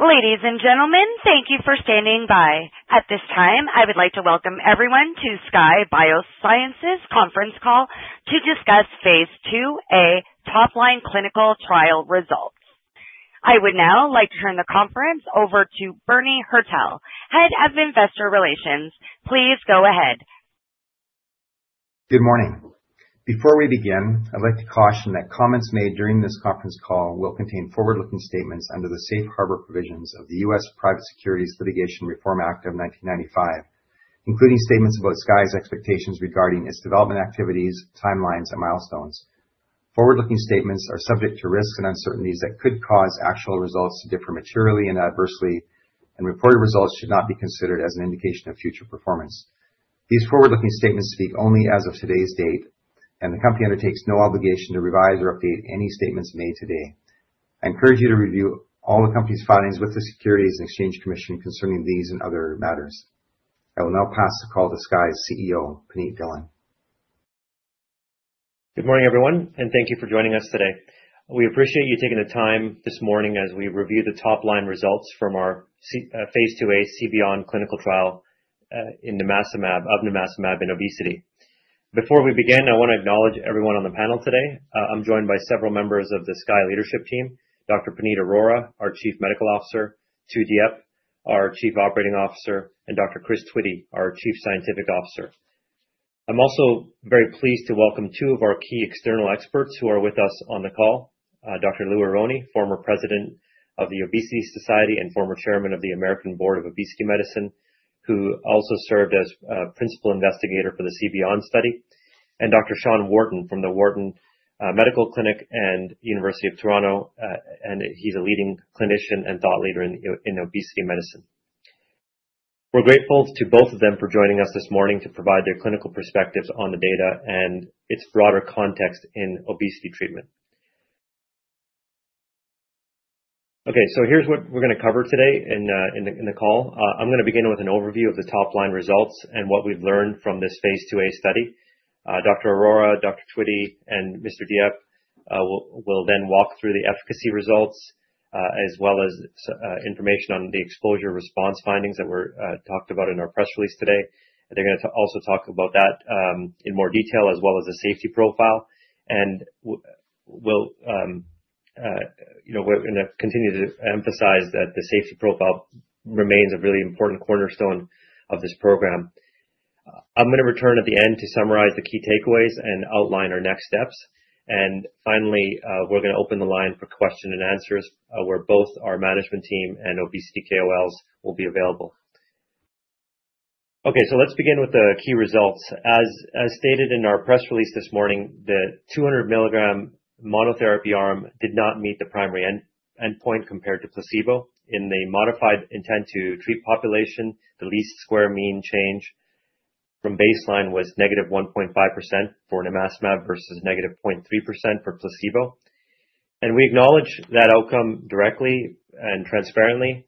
Ladies and gentlemen, thank you for standing by. At this time, I would like to welcome everyone to Skye Biosciences' conference call to discuss phase 2a top-line clinical trial results. I would now like to turn the conference over to Bernie Hertel, Head of Investor Relations. Please go ahead. Good morning. Before we begin, I'd like to caution that comments made during this conference call will contain forward-looking statements under the Safe Harbor Provisions of the U.S. Private Securities Litigation Reform Act of 1995, including statements about Skye's expectations regarding its development activities, timelines, and milestones. Forward-looking statements are subject to risks and uncertainties that could cause actual results to differ materially and adversely, and reported results should not be considered as an indication of future performance. These forward-looking statements speak only as of today's date, and the company undertakes no obligation to revise or update any statements made today. I encourage you to review all the company's filings with the Securities and Exchange Commission concerning these and other matters. I will now pass the call to Skye's CEO, Punit Dhillon. Good morning, everyone, and thank you for joining us today. We appreciate you taking the time this morning as we review the top-line results from our phase 2a CBeyond clinical trial of nimacimab in obesity. Before we begin, I want to acknowledge everyone on the panel today. I'm joined by several members of the Skye leadership team: Dr. Puneet Arora, our Chief Medical Officer; Tu Diep, our Chief Operating Officer; and Dr. Chris Twitty, our Chief Scientific Officer. I'm also very pleased to welcome two of our key external experts who are with us on the call: Dr. Louis Aronne, former President of the Obesity Society and former Chairman of the American Board of Obesity Medicine, who also served as a principal investigator for the CBeyond study; and Dr. Sean Wharton from the Wharton Medical Clinic and University of Toronto. He's a leading clinician and thought leader in obesity medicine. We're grateful to both of them for joining us this morning to provide their clinical perspectives on the data and its broader context in obesity treatment. Okay, so here's what we're going to cover today in the call. I'm going to begin with an overview of the top-line results and what we've learned from this phase 2a study. Dr. Arora, Dr. Twitty, and Mr. Diep will then walk through the efficacy results, as well as information on the exposure response findings that were talked about in our press release today. They're going to also talk about that in more detail, as well as the safety profile, and we'll continue to emphasize that the safety profile remains a really important cornerstone of this program. I'm going to return at the end to summarize the key takeaways and outline our next steps. Finally, we're going to open the line for questions and answers where both our management team and obesity KOLs will be available. Okay, so let's begin with the key results. As stated in our press release this morning, the 200 milligram monotherapy arm did not meet the primary endpoint compared to placebo. In the modified intent-to-treat population, the least square mean change from baseline was negative 1.5% for nimacimab versus negative 0.3% for placebo. And we acknowledge that outcome directly and transparently.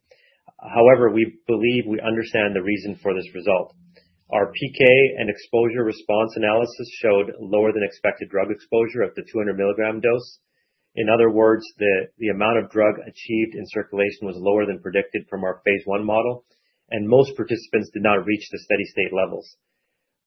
However, we believe we understand the reason for this result. Our PK and exposure response analysis showed lower than expected drug exposure at the 200 milligram dose. In other words, the amount of drug achieved in circulation was lower than predicted from our phase 1 model, and most participants did not reach the steady-state levels.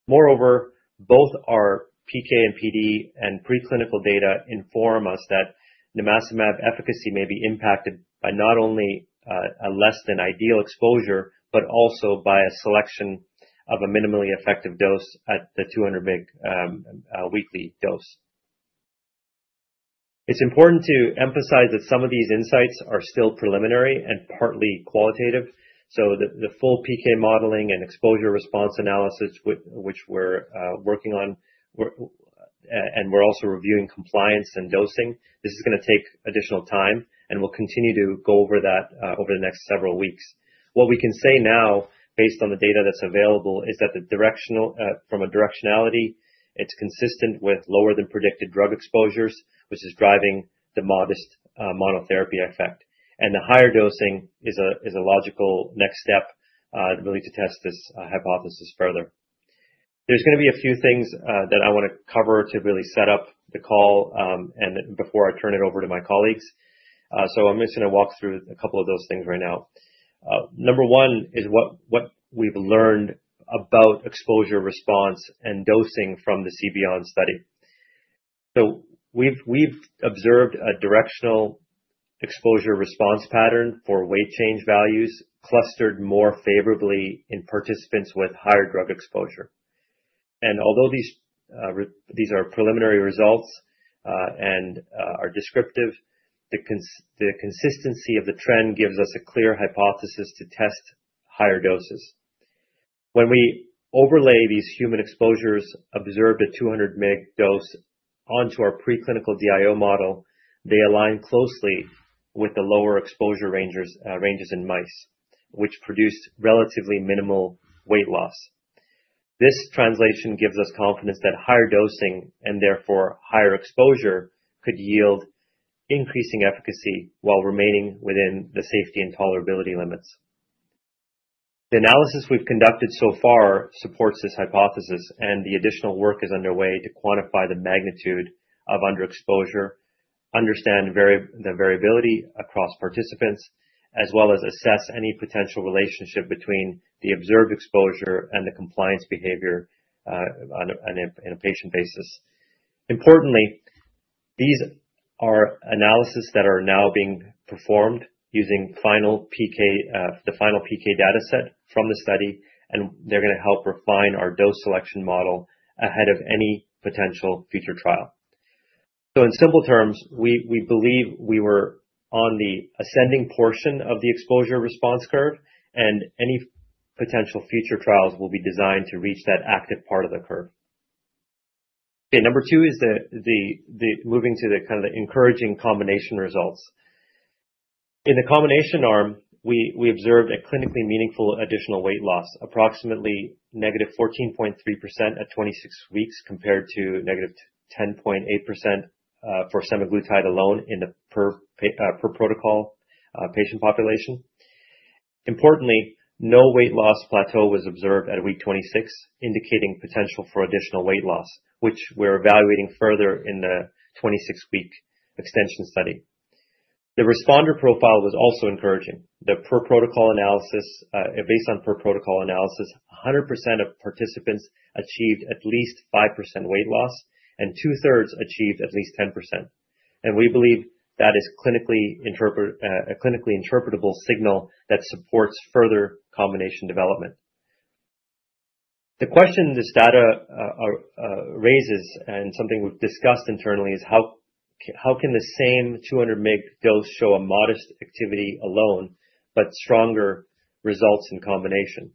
Moreover, both our PK and PD and preclinical data inform us that nimacimab efficacy may be impacted by not only a less-than-ideal exposure, but also by a selection of a minimally effective dose at the 200 weekly dose. It's important to emphasize that some of these insights are still preliminary and partly qualitative. So the full PK modeling and exposure response analysis, which we're working on, and we're also reviewing compliance and dosing, this is going to take additional time, and we'll continue to go over that over the next several weeks. What we can say now, based on the data that's available, is that from a directionality, it's consistent with lower than predicted drug exposures, which is driving the modest monotherapy effect. And the higher dosing is a logical next step really to test this hypothesis further. There's going to be a few things that I want to cover to really set up the call before I turn it over to my colleagues. So I'm just going to walk through a couple of those things right now. Number one is what we've learned about exposure response and dosing from the CBeyond study. So we've observed a directional exposure response pattern for weight change values clustered more favorably in participants with higher drug exposure. And although these are preliminary results and are descriptive, the consistency of the trend gives us a clear hypothesis to test higher doses. When we overlay these human exposures observed at 200 mg dose onto our preclinical DIO model, they align closely with the lower exposure ranges in mice, which produced relatively minimal weight loss. This translation gives us confidence that higher dosing and therefore higher exposure could yield increasing efficacy while remaining within the safety and tolerability limits. The analysis we've conducted so far supports this hypothesis, and the additional work is underway to quantify the magnitude of underexposure, understand the variability across participants, as well as assess any potential relationship between the observed exposure and the compliance behavior on a patient basis. Importantly, these are analyses that are now being performed using the final PK dataset from the study, and they're going to help refine our dose selection model ahead of any potential future trial. So in simple terms, we believe we were on the ascending portion of the exposure response curve, and any potential future trials will be designed to reach that active part of the curve. Okay, number two is moving to the kind of encouraging combination results. In the combination arm, we observed a clinically meaningful additional weight loss, approximately negative 14.3% at 26 weeks compared to negative 10.8% for semaglutide alone in the per protocol patient population. Importantly, no weight loss plateau was observed at week 26, indicating potential for additional weight loss, which we're evaluating further in the 26-week extension study. The responder profile was also encouraging. Based on per protocol analysis, 100% of participants achieved at least 5% weight loss, and two-thirds achieved at least 10%, and we believe that is a clinically interpretable signal that supports further combination development. The question this data raises, and something we've discussed internally, is how can the same 200 mg dose show a modest activity alone, but stronger results in combination,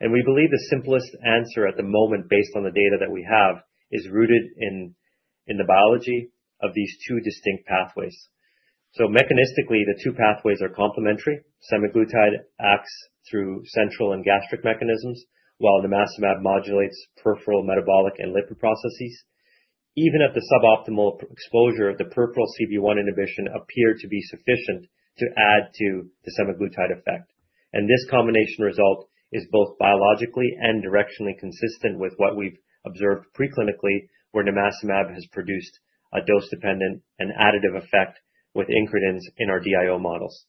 and we believe the simplest answer at the moment, based on the data that we have, is rooted in the biology of these two distinct pathways. Mechanistically, the two pathways are complementary. Semaglutide acts through central and gastric mechanisms, while the nimacimab modulates peripheral metabolic and lipid processes. Even at the suboptimal exposure, the peripheral CB1 inhibition appeared to be sufficient to add to the semaglutide effect. This combination result is both biologically and directionally consistent with what we've observed preclinically, where nimacimab has produced a dose-dependent and additive effect with increments in our DIO models.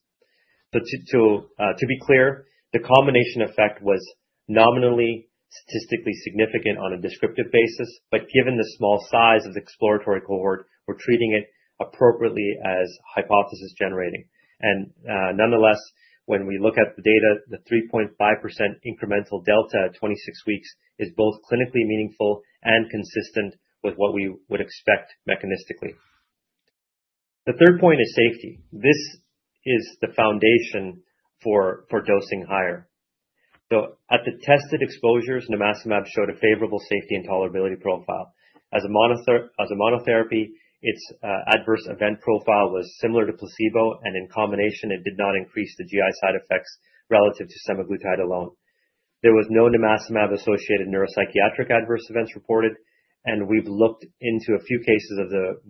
To be clear, the combination effect was nominally statistically significant on a descriptive basis, but given the small size of the exploratory cohort, we're treating it appropriately as hypothesis generating. Nonetheless, when we look at the data, the 3.5% incremental delta at 26 weeks is both clinically meaningful and consistent with what we would expect mechanistically. The third point is safety. This is the foundation for dosing higher. At the tested exposures, nimacimab showed a favorable safety and tolerability profile. As a monotherapy, its adverse event profile was similar to placebo, and in combination, it did not increase the GI side effects relative to semaglutide alone. There was no nimacimab-associated neuropsychiatric adverse events reported, and we've looked into a few cases of the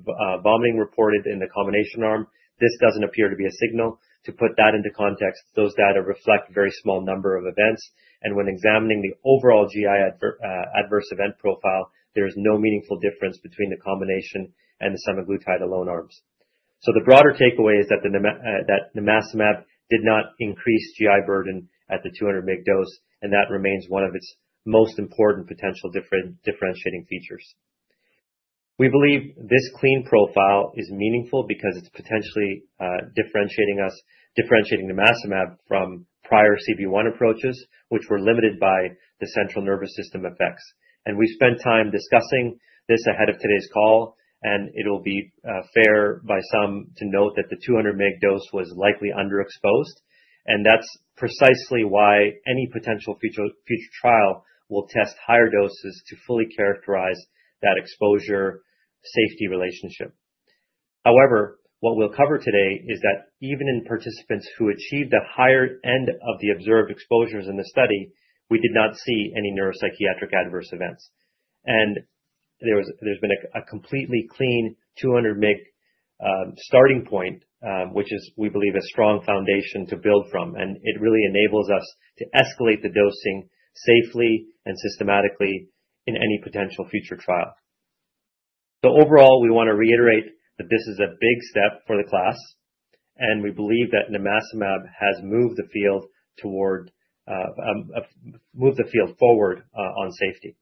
vomiting reported in the combination arm. This doesn't appear to be a signal. To put that into context, those data reflect a very small number of events. When examining the overall GI adverse event profile, there is no meaningful difference between the combination and the semaglutide alone arms. The broader takeaway is that nimacimab did not increase GI burden at the 200 mg dose, and that remains one of its most important potential differentiating features. We believe this clean profile is meaningful because it's potentially differentiating nimacimab from prior CB1 approaches, which were limited by the central nervous system effects, and we spent time discussing this ahead of today's call, and it'll be fair for some to note that the 200 mg dose was likely underexposed. And that's precisely why any potential future trial will test higher doses to fully characterize that exposure-safety relationship. However, what we'll cover today is that even in participants who achieved the higher end of the observed exposures in the study, we did not see any neuropsychiatric adverse events, and there's been a completely clean 200 mg starting point, which is, we believe, a strong foundation to build from, and it really enables us to escalate the dosing safely and systematically in any potential future trial. So overall, we want to reiterate that this is a big step for the class, and we believe that nimacimab has moved the field forward on safety.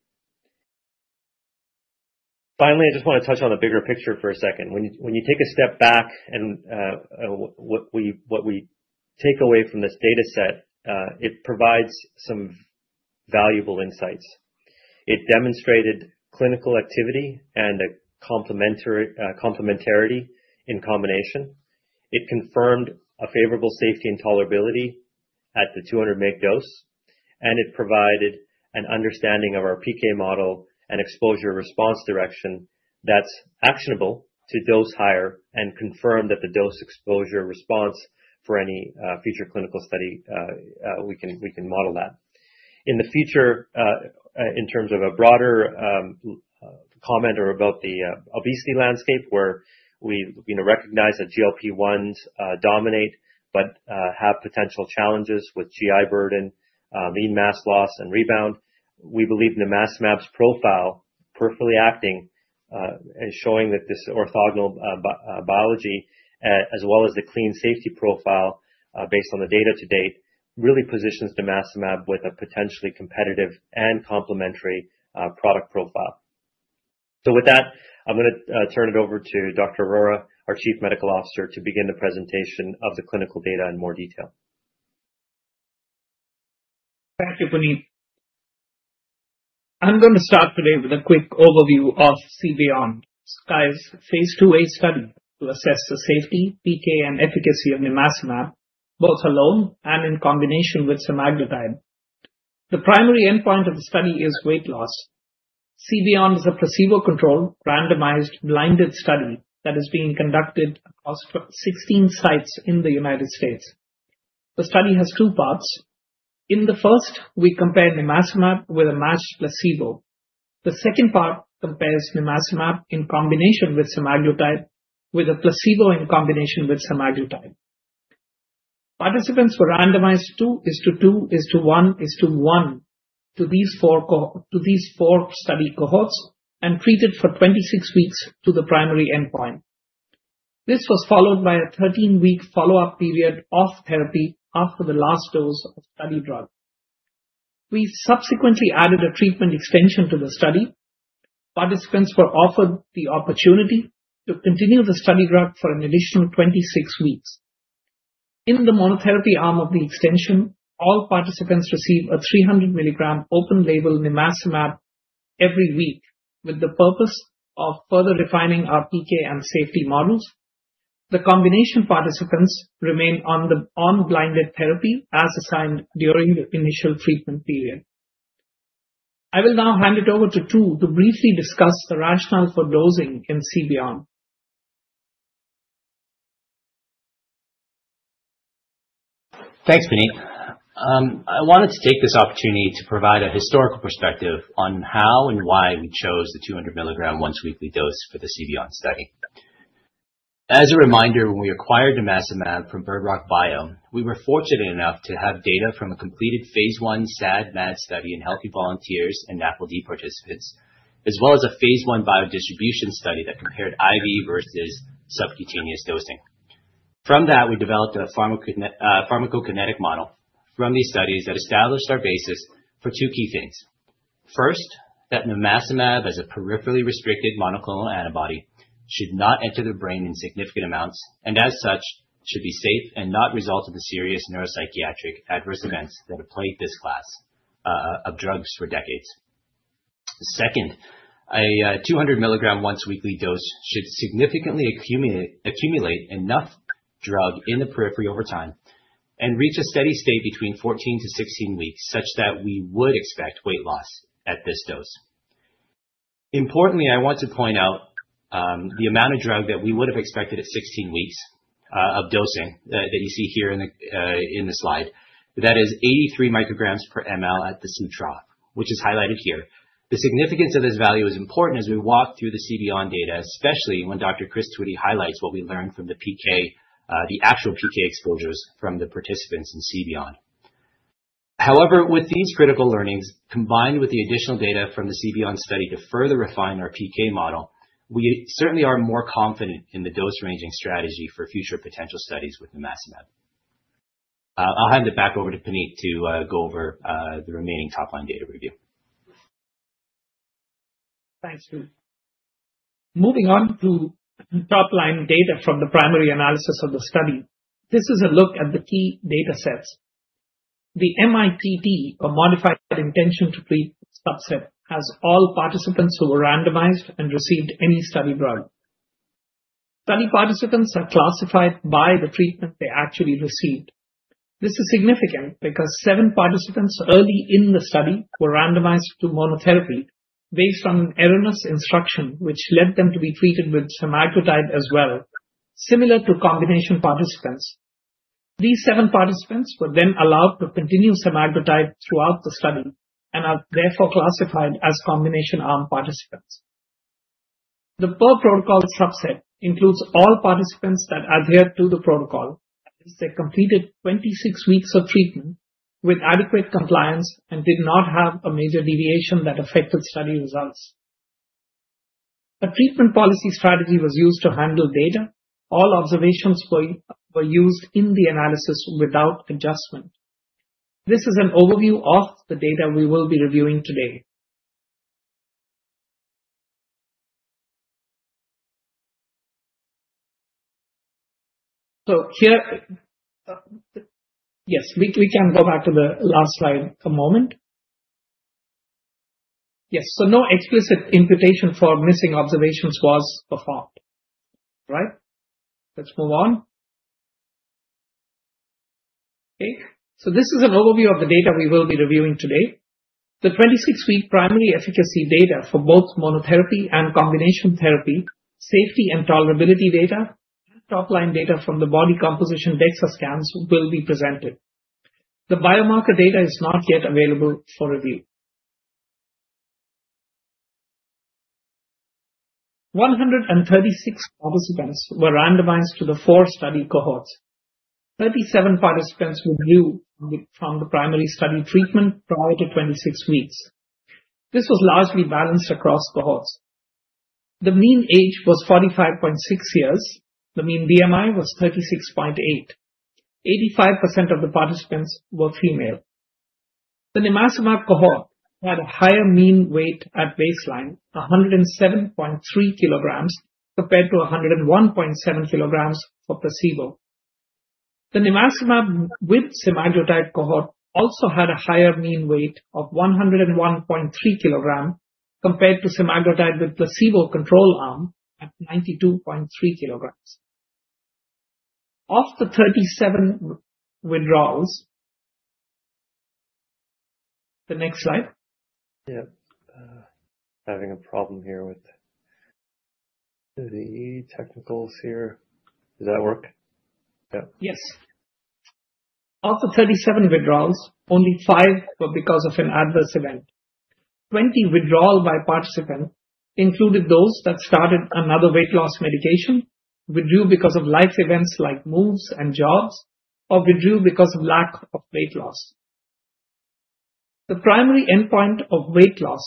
Finally, I just want to touch on the bigger picture for a second. When you take a step back and what we take away from this dataset, it provides some valuable insights. It demonstrated clinical activity and complementarity in combination. It confirmed a favorable safety and tolerability at the 200 mg dose, and it provided an understanding of our PK model and exposure response direction that's actionable to dose higher and confirm that the dose exposure response for any future clinical study we can model that. In the future, in terms of a broader comment about the obesity landscape, where we recognize that GLP-1s dominate but have potential challenges with GI burden, lean mass loss, and rebound, we believe the nimacimab's profile, peripherally acting, is showing that this orthogonal biology, as well as the clean safety profile based on the data to date, really positions the nimacimab with a potentially competitive and complementary product profile. So with that, I'm going to turn it over to Dr. Arora, our Chief Medical Officer, to begin the presentation of the clinical data in more detail. Thank you, Puneet. I'm going to start today with a quick overview of CBeyond, Skye's phase 2a study to assess the safety, PK, and efficacy of nimacimab, both alone and in combination with semaglutide. The primary endpoint of the study is weight loss. CBeyond is a placebo-controlled, randomized, blinded study that is being conducted across 16 sites in the United States. The study has two parts. In the first, we compare nimacimab with a matched placebo. The second part compares nimacimab in combination with semaglutide with a placebo in combination with semaglutide. Participants were randomized 2:1:1 to these four study cohorts and treated for 26 weeks to the primary endpoint. This was followed by a 13-week follow-up period off therapy after the last dose of study drug. We subsequently added a treatment extension to the study. Participants were offered the opportunity to continue the study drug for an additional 26 weeks. In the monotherapy arm of the extension, all participants received a 300 milligram open-label nimacimab every week with the purpose of further refining our PK and safety models. The combination participants remained on blinded therapy as assigned during the initial treatment period. I will now hand it over to Tu to briefly discuss the rationale for dosing in CBeyond. Thanks, Puneet. I wanted to take this opportunity to provide a historical perspective on how and why we chose the 200 milligram once-weekly dose for the CBeyond study. As a reminder, when we acquired nimacimab from BirdRock Bio, we were fortunate enough to have data from a completed phase 1 SAD-MAD study in healthy volunteers and NAFLD participants, as well as a phase 1 biodistribution study that compared IV versus subcutaneous dosing. From that, we developed a pharmacokinetic model from these studies that established our basis for two key things. First, that nimacimab, as a peripherally restricted monoclonal antibody, should not enter the brain in significant amounts and, as such, should be safe and not result in the serious neuropsychiatric adverse events that have plagued this class of drugs for decades. Second, a 200 milligram once-weekly dose should significantly accumulate enough drug in the periphery over time and reach a steady state between 14-16 weeks, such that we would expect weight loss at this dose. Importantly, I want to point out the amount of drug that we would have expected at 16 weeks of dosing that you see here in the slide. That is 83 micrograms per ml at the Ctrough, which is highlighted here. The significance of this value is important as we walk through the CBeyond data, especially when Dr. Chris Twitty highlights what we learned from the actual PK exposures from the participants in CBeyond. However, with these critical learnings, combined with the additional data from the CBeyond study to further refine our PK model, we certainly are more confident in the dose-ranging strategy for future potential studies with nimacimab. I'll hand it back over to Puneet to go over the remaining top-line data review. Thanks, Puneet. Moving on to top-line data from the primary analysis of the study, this is a look at the key datasets. The mITT, or Modified Intent-to-Treat subset, has all participants who were randomized and received any study drug. Study participants are classified by the treatment they actually received. This is significant because seven participants early in the study were randomized to monotherapy based on erroneous instruction, which led them to be treated with semaglutide as well, similar to combination participants. These seven participants were then allowed to continue semaglutide throughout the study and are therefore classified as combination arm participants. The per protocol subset includes all participants that adhered to the protocol, as they completed 26 weeks of treatment with adequate compliance and did not have a major deviation that affected study results. A treatment policy strategy was used to handle data. All observations were used in the analysis without adjustment. This is an overview of the data we will be reviewing today. So here, yes, we can go back to the last slide a moment. Yes, so no explicit imputation for missing observations was performed. All right, let's move on. Okay, so this is an overview of the data we will be reviewing today. The 26-week primary efficacy data for both monotherapy and combination therapy, safety and tolerability data, and top-line data from the body composition DEXA scans will be presented. The biomarker data is not yet available for review. 136 participants were randomized to the four study cohorts. 37 participants withdrew from the primary study treatment prior to 26 weeks. This was largely balanced across cohorts. The mean age was 45.6 years. The mean BMI was 36.8. 85% of the participants were female. The nimacimab cohort had a higher mean weight at baseline, 107.3 kilograms, compared to 101.7 kilograms for placebo. The nimacimab with semaglutide cohort also had a higher mean weight of 101.3 kilograms compared to semaglutide with placebo control arm at 92.3 kilograms. Of the 37 withdrawals, the next slide. Yeah, having a problem here with the technicals here. Does that work? Yeah. Yes. Of the 37 withdrawals, only five were because of an adverse event. 20 withdrawals by participants included those that started another weight loss medication, withdrew because of life events like moves and jobs, or withdrew because of lack of weight loss. The primary endpoint of weight loss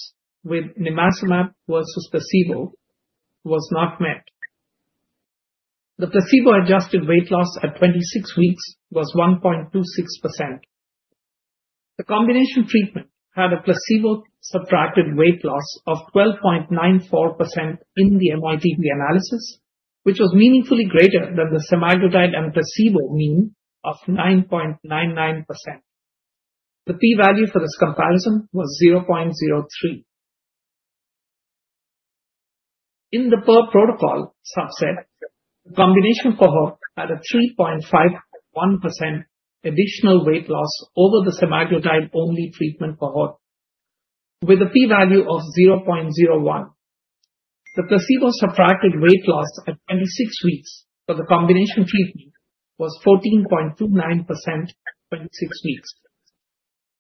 with nimacimab versus placebo was not met. The placebo-adjusted weight loss at 26 weeks was 1.26%. The combination treatment had a placebo-subtracted weight loss of 12.94% in the mITT analysis, which was meaningfully greater than the semaglutide and placebo mean of 9.99%. The p-value for this comparison was 0.03. In the per protocol subset, the combination cohort had a 3.51% additional weight loss over the semaglutide-only treatment cohort, with a p-value of 0.01. The placebo-subtracted weight loss at 26 weeks for the combination treatment was 14.29% at 26 weeks.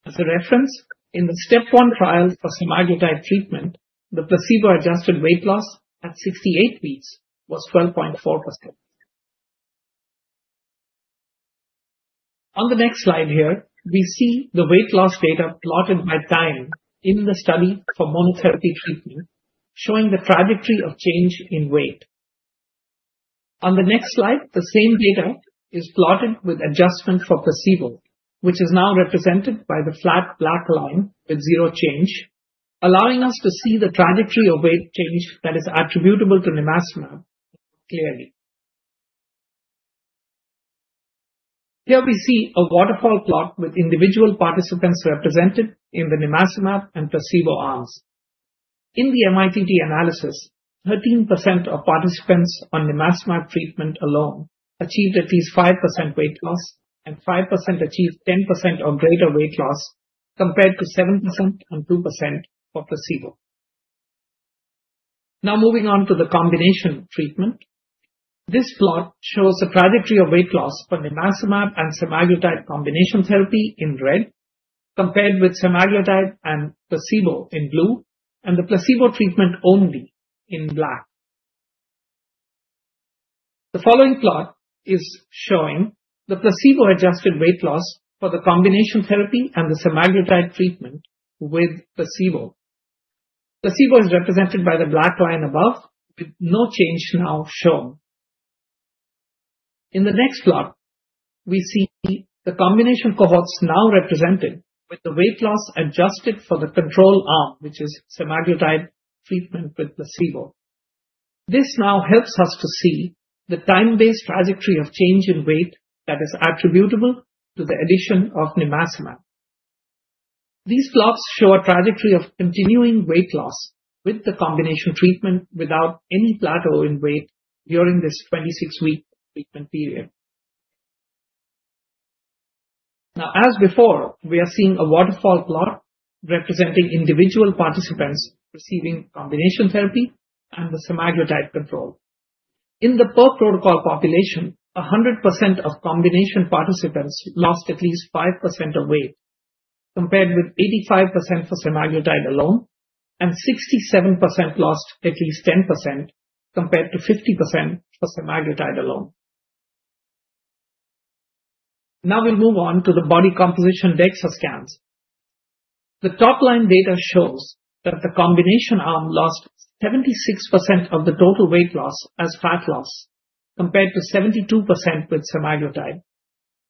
As a reference, in the STEP 1 trials for semaglutide treatment, the placebo-adjusted weight loss at 68 weeks was 12.4%. On the next slide here, we see the weight loss data plotted by time in the study for monotherapy treatment, showing the trajectory of change in weight. On the next slide, the same data is plotted with adjustment for placebo, which is now represented by the flat black line with zero change, allowing us to see the trajectory of weight change that is attributable to nimacimab clearly. Here we see a waterfall plot with individual participants represented in the nimacimab and placebo arms. In the mITT analysis, 13% of participants on nimacimab treatment alone achieved at least 5% weight loss, and 5% achieved 10% or greater weight loss compared to 7% and 2% for placebo. Now moving on to the combination treatment, this plot shows the trajectory of weight loss for nimacimab and semaglutide combination therapy in red, compared with semaglutide and placebo in blue, and the placebo treatment only in black. The following plot is showing the placebo-adjusted weight loss for the combination therapy and the semaglutide treatment with placebo. Placebo is represented by the black line above, with no change now shown. In the next plot, we see the combination cohorts now represented with the weight loss adjusted for the control arm, which is semaglutide treatment with placebo. This now helps us to see the time-based trajectory of change in weight that is attributable to the addition of nimacimab. These plots show a trajectory of continuing weight loss with the combination treatment without any plateau in weight during this 26-week treatment period. Now, as before, we are seeing a waterfall plot representing individual participants receiving combination therapy and the semaglutide control. In the per protocol population, 100% of combination participants lost at least 5% of weight, compared with 85% for semaglutide alone, and 67% lost at least 10%, compared to 50% for semaglutide alone. Now we'll move on to the body composition DEXA scans. The top-line data shows that the combination arm lost 76% of the total weight loss as fat loss, compared to 72% with semaglutide.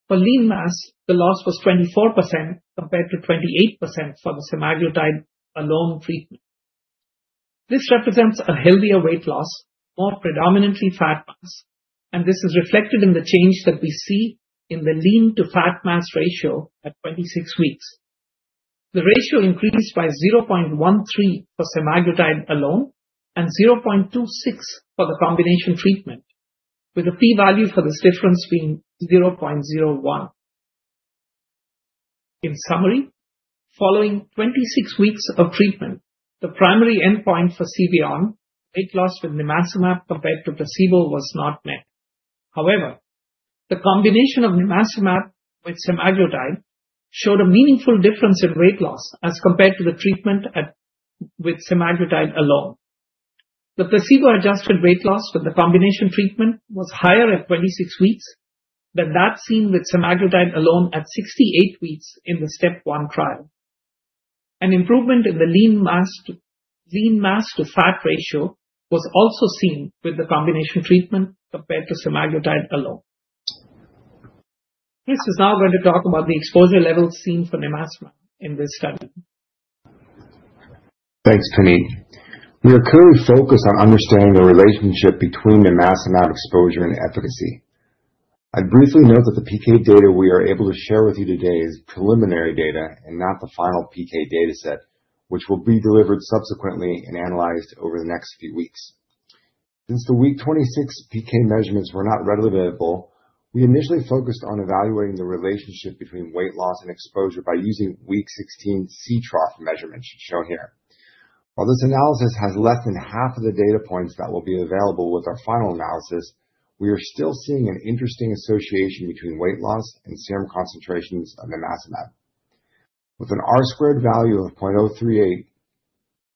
For lean mass, the loss was 24%, compared to 28% for the semaglutide alone treatment. This represents a healthier weight loss, more predominantly fat mass, and this is reflected in the change that we see in the lean-to-fat mass ratio at 26 weeks. The ratio increased by 0.13 for semaglutide alone and 0.26 for the combination treatment, with a p-value for this difference being 0.01. In summary, following 26 weeks of treatment, the primary endpoint for CBeyond, weight loss with nimacimab compared to placebo, was not met. However, the combination of nimacimab with semaglutide showed a meaningful difference in weight loss as compared to the treatment with semaglutide alone. The placebo-adjusted weight loss with the combination treatment was higher at 26 weeks than that seen with semaglutide alone at 68 weeks in the STEP 1 trial. An improvement in the lean mass-to-fat ratio was also seen with the combination treatment compared to semaglutide alone. Chris is now going to talk about the exposure levels seen for nimacimab in this study. Thanks, Puneet. We are currently focused on understanding the relationship between nimacimab exposure and efficacy. I'd briefly note that the PK data we are able to share with you today is preliminary data and not the final PK dataset, which will be delivered subsequently and analyzed over the next few weeks. Since the week 26 PK measurements were not readily available, we initially focused on evaluating the relationship between weight loss and exposure by using week 16 Ctrough measurements shown here. While this analysis has less than half of the data points that will be available with our final analysis, we are still seeing an interesting association between weight loss and serum concentrations of nimacimab. With an R-squared value of 0.038,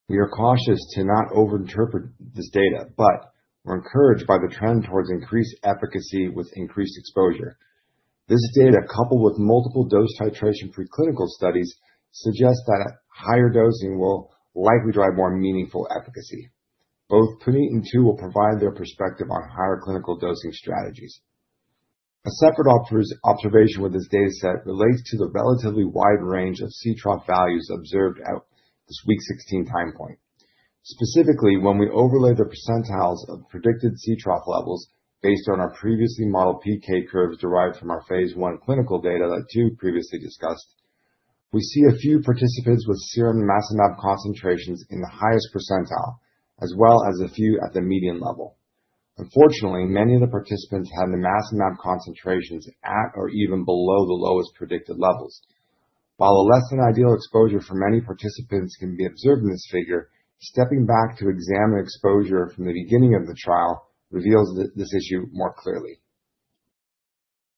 we are cautious to not over-interpret this data, but we're encouraged by the trend towards increased efficacy with increased exposure. This data, coupled with multiple dose titration preclinical studies, suggests that higher dosing will likely drive more meaningful efficacy. Both Puneet and Tu will provide their perspective on higher clinical dosing strategies. A separate observation with this dataset relates to the relatively wide range of Ctrough values observed at this week 16 time point. Specifically, when we overlay the percentiles of predicted Ctrough levels based on our previously modeled PK curves derived from our phase 1 clinical data that Tu previously discussed, we see a few participants with serum nimacimab concentrations in the highest percentile, as well as a few at the median level. Unfortunately, many of the participants had the nimacimab concentrations at or even below the lowest predicted levels. While a less-than-ideal exposure for many participants can be observed in this figure, stepping back to examine exposure from the beginning of the trial reveals this issue more clearly.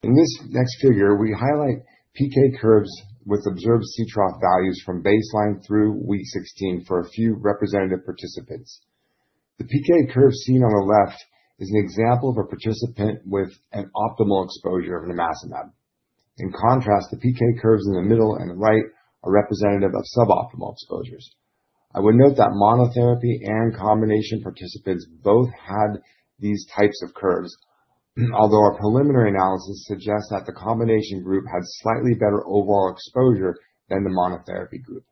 In this next figure, we highlight PK curves with observed Ctrough values from baseline through week 16 for a few representative participants. The PK curve seen on the left is an example of a participant with an optimal exposure of nimacimab. In contrast, the PK curves in the middle and right are representative of suboptimal exposures. I would note that monotherapy and combination participants both had these types of curves, although our preliminary analysis suggests that the combination group had slightly better overall exposure than the monotherapy group.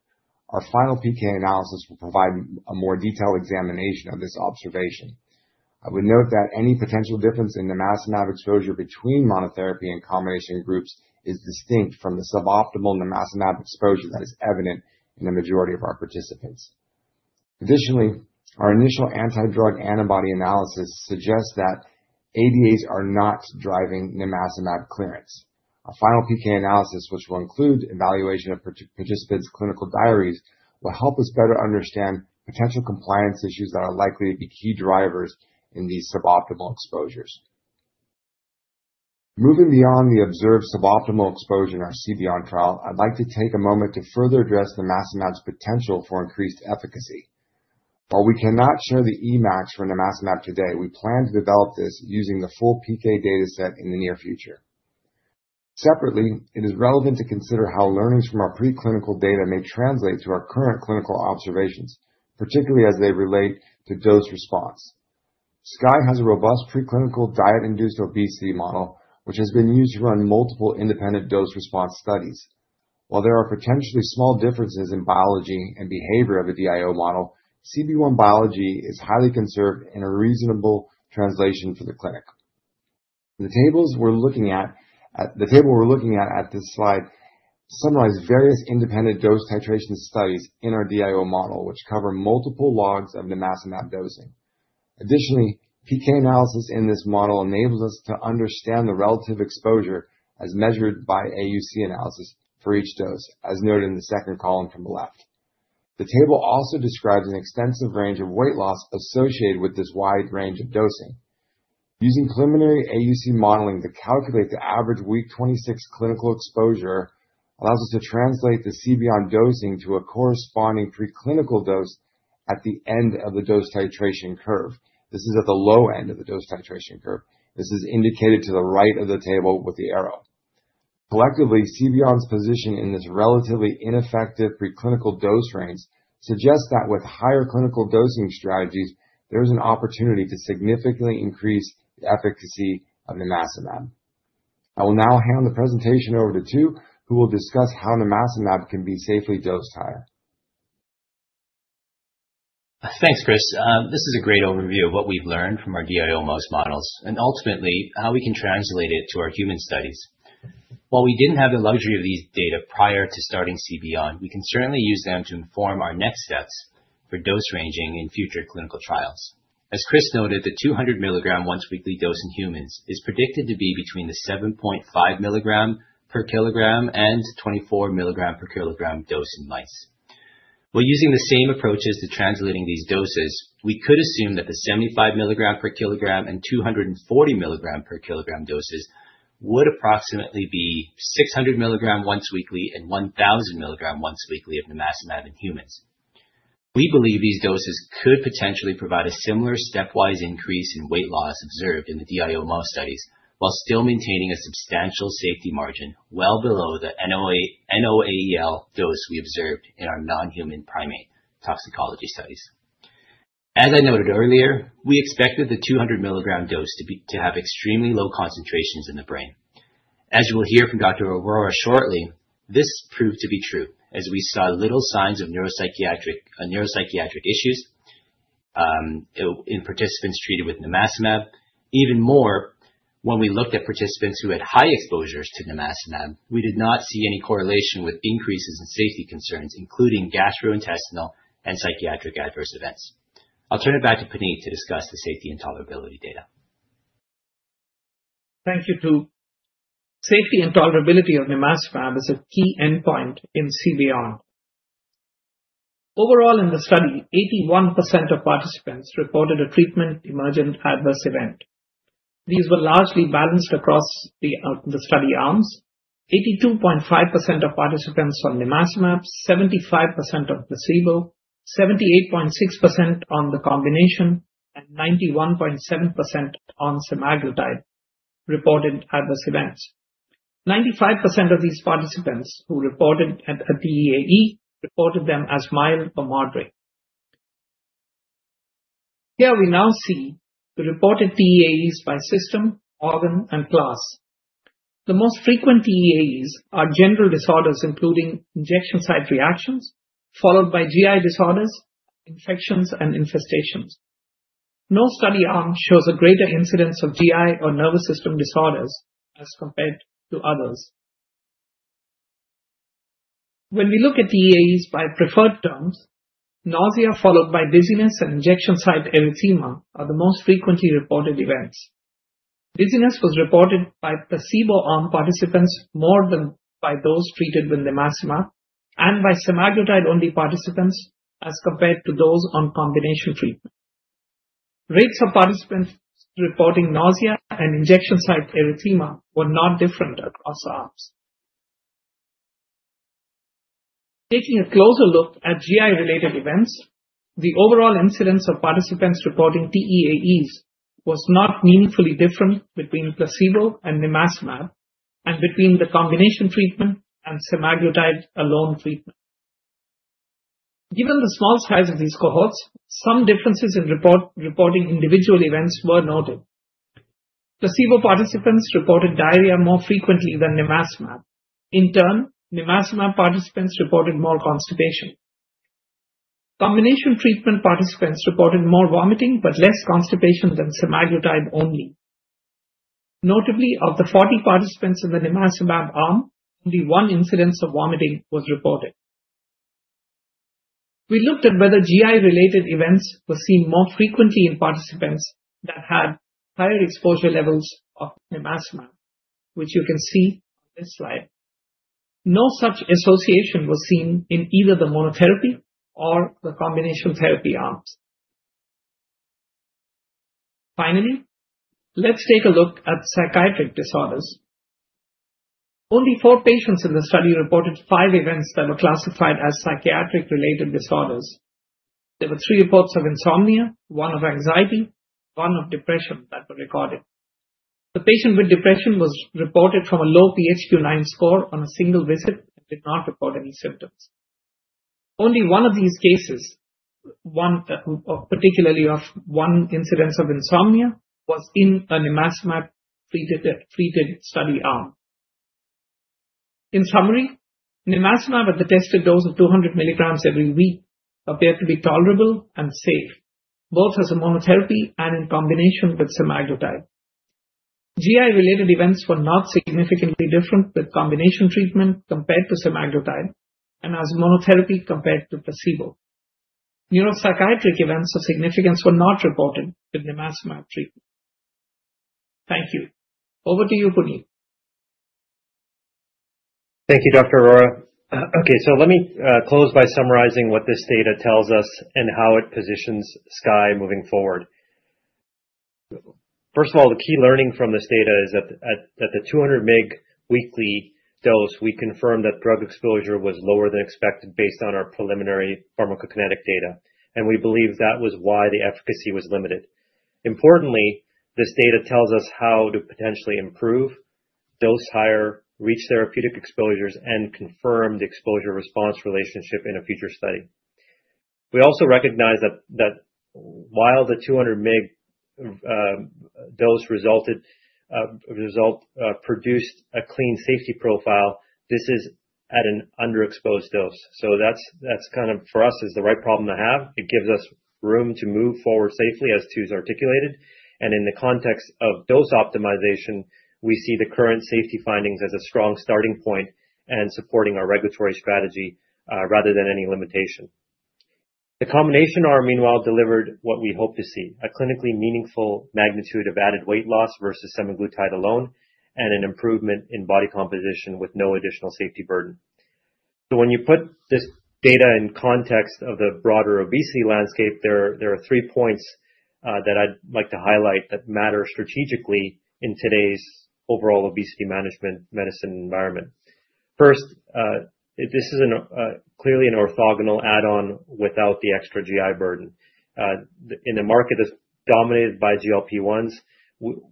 Our final PK analysis will provide a more detailed examination of this observation. I would note that any potential difference in nimacimab exposure between monotherapy and combination groups is distinct from the suboptimal nimacimab exposure that is evident in the majority of our participants. Additionally, our initial anti-drug antibody analysis suggests that ADAs are not driving nimacimab clearance. Our final PK analysis, which will include evaluation of participants' clinical diaries, will help us better understand potential compliance issues that are likely to be key drivers in these suboptimal exposures. Moving beyond the observed suboptimal exposure in our CBeyond trial, I'd like to take a moment to further address the nimacimab's potential for increased efficacy. While we cannot show the Emax for nimacimab today, we plan to develop this using the full PK dataset in the near future. Separately, it is relevant to consider how learnings from our preclinical data may translate to our current clinical observations, particularly as they relate to dose response. Skye has a robust preclinical diet-induced obesity model, which has been used to run multiple independent dose response studies. While there are potentially small differences in biology and behavior of the DIO model, CB1 biology is highly conserved and a reasonable translation for the clinic. The table we're looking at on this slide summarizes various independent dose titration studies in our DIO model, which cover multiple logs of nimacimab dosing. Additionally, PK analysis in this model enables us to understand the relative exposure as measured by AUC analysis for each dose, as noted in the second column from the left. The table also describes an extensive range of weight loss associated with this wide range of dosing. Using preliminary AUC modeling to calculate the average week 26 clinical exposure allows us to translate the CBeyond dosing to a corresponding preclinical dose at the end of the dose titration curve. This is at the low end of the dose titration curve. This is indicated to the right of the table with the arrow. Collectively, CBeyond's position in this relatively ineffective preclinical dose range suggests that with higher clinical dosing strategies, there is an opportunity to significantly increase the efficacy of nimacimab. I will now hand the presentation over to Tu, who will discuss how nimacimab can be safely dosed higher. Thanks, Chris. This is a great overview of what we've learned from our DIO mouse models and ultimately how we can translate it to our human studies. While we didn't have the luxury of these data prior to starting CBeyond, we can certainly use them to inform our next steps for dose ranging in future clinical trials. As Chris noted, the 200 milligram once-weekly dose in humans is predicted to be between the 7.5 milligram per kilogram and 24 milligram per kilogram dose in mice. While using the same approaches to translating these doses, we could assume that the 75 milligram per kilogram and 240 milligram per kilogram doses would approximately be 600 milligram once-weekly and 1,000 milligram once-weekly of nimacimab in humans. We believe these doses could potentially provide a similar stepwise increase in weight loss observed in the DIO mouse studies while still maintaining a substantial safety margin well below the NOAEL dose we observed in our non-human primate toxicology studies. As I noted earlier, we expected the 200 milligram dose to have extremely low concentrations in the brain. As you will hear from Dr. Arora shortly, this proved to be true as we saw little signs of neuropsychiatric issues in participants treated with nimacimab. Even more, when we looked at participants who had high exposures to nimacimab, we did not see any correlation with increases in safety concerns, including gastrointestinal and psychiatric adverse events. I'll turn it back to Puneet to discuss the safety and tolerability data. Thank you, Tu. Safety and tolerability of nimacimab is a key endpoint in CBeyond. Overall, in the study, 81% of participants reported a treatment-emergent adverse event. These were largely balanced across the study arms. 82.5% of participants on nimacimab, 75% on placebo, 78.6% on the combination, and 91.7% on semaglutide reported adverse events. 95% of these participants who reported a TEAE reported them as mild or moderate. Here we now see the reported TEAEs by system, organ, and class. The most frequent TEAEs are general disorders, including injection site reactions, followed by GI disorders, infections, and infestations. No study arm shows a greater incidence of GI or nervous system disorders as compared to others. When we look at TEAEs by preferred terms, nausea followed by dizziness and injection site erythema are the most frequently reported events. Dizziness was reported by placebo-arm participants more than by those treated with nimacimab and by semaglutide-only participants as compared to those on combination treatment. Rates of participants reporting nausea and injection site erythema were not different across arms. Taking a closer look at GI-related events, the overall incidence of participants reporting TEAEs was not meaningfully different between placebo and nimacimab and between the combination treatment and semaglutide alone treatment. Given the small size of these cohorts, some differences in reporting individual events were noted. Placebo participants reported diarrhea more frequently than nimacimab. In turn, nimacimab participants reported more constipation. Combination treatment participants reported more vomiting but less constipation than semaglutide-only. Notably, of the 40 participants in the nimacimab arm, only one incidence of vomiting was reported. We looked at whether GI-related events were seen more frequently in participants that had higher exposure levels of nimacimab, which you can see on this slide. No such association was seen in either the monotherapy or the combination therapy arms. Finally, let's take a look at psychiatric disorders. Only four patients in the study reported five events that were classified as psychiatric-related disorders. There were three reports of insomnia, one of anxiety, and one of depression that were recorded. The patient with depression was reported from a low PHQ-9 score on a single visit and did not report any symptoms. Only one of these cases, particularly of one incidence of insomnia, was in a nimacimab-treated study arm. In summary, nimacimab at the tested dose of 200 milligrams every week appeared to be tolerable and safe, both as a monotherapy and in combination with semaglutide. GI-related events were not significantly different with combination treatment compared to semaglutide and as monotherapy compared to placebo. Neuropsychiatric events of significance were not reported with nimacimab treatment. Thank you. Over to you, Puneet. Thank you, Dr. Arora. Okay, so let me close by summarizing what this data tells us and how it positions Skye moving forward. First of all, the key learning from this data is that at the 200-mg weekly dose, we confirmed that drug exposure was lower than expected based on our preliminary pharmacokinetic data, and we believe that was why the efficacy was limited. Importantly, this data tells us how to potentially improve, dose higher, reach therapeutic exposures, and confirm the exposure-response relationship in a future study. We also recognize that while the 200-mg dose produced a clean safety profile, this is at an underexposed dose. So that's kind of, for us, the right problem to have. It gives us room to move forward safely, as Tu's articulated. And in the context of dose optimization, we see the current safety findings as a strong starting point and supporting our regulatory strategy rather than any limitation. The combination arm, meanwhile, delivered what we hope to see: a clinically meaningful magnitude of added weight loss versus semaglutide alone and an improvement in body composition with no additional safety burden. So when you put this data in context of the broader obesity landscape, there are three points that I'd like to highlight that matter strategically in today's overall obesity management medicine environment. First, this is clearly an orthogonal add-on without the extra GI burden. In a market that's dominated by GLP-1s,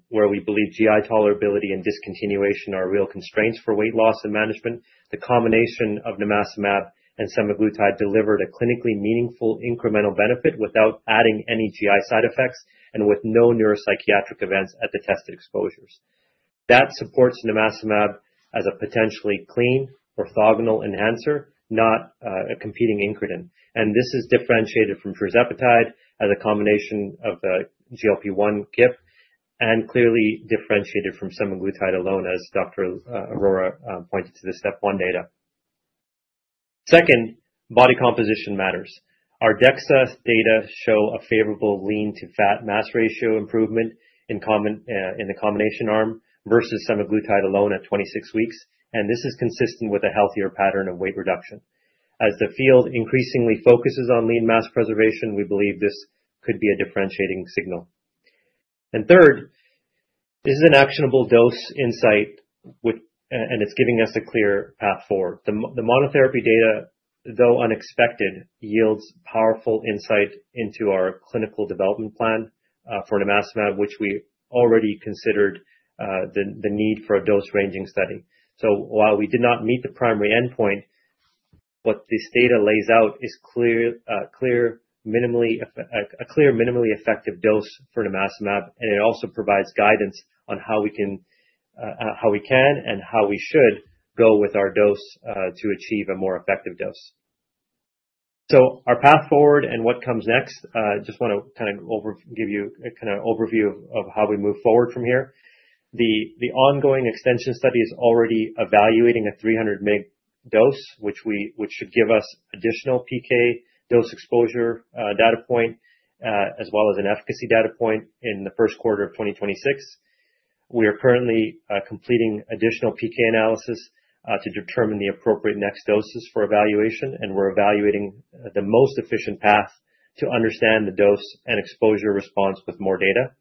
where we believe GI tolerability and discontinuation are real constraints for weight loss and management, the combination of nimacimab and semaglutide delivered a clinically meaningful incremental benefit without adding any GI side effects and with no neuropsychiatric events at the tested exposures. That supports nimacimab as a potentially clean orthogonal enhancer, not a competing increment, and this is differentiated from tirzepatide as a combination of GLP-1, GIP, and clearly differentiated from semaglutide alone, as Dr. Arora pointed to the STEP 1 data. Second, body composition matters. Our DEXA data show a favorable lean-to-fat mass ratio improvement in the combination arm versus semaglutide alone at 26 weeks, and this is consistent with a healthier pattern of weight reduction. As the field increasingly focuses on lean mass preservation, we believe this could be a differentiating signal. Third, this is an actionable dose insight, and it's giving us a clear path forward. The monotherapy data, though unexpected, yields powerful insight into our clinical development plan for nimacimab, which we already considered the need for a dose ranging study. While we did not meet the primary endpoint, what this data lays out is a clear, minimally effective dose for nimacimab, and it also provides guidance on how we can and how we should go with our dose to achieve a more effective dose. Our path forward and what comes next, I just want to kind of give you a kind of overview of how we move forward from here. The ongoing extension study is already evaluating a 300-mg dose, which should give us additional PK dose exposure data point as well as an efficacy data point in the first quarter of 2026. We are currently completing additional PK analysis to determine the appropriate next doses for evaluation, and we're evaluating the most efficient path to understand the dose and exposure response with more data.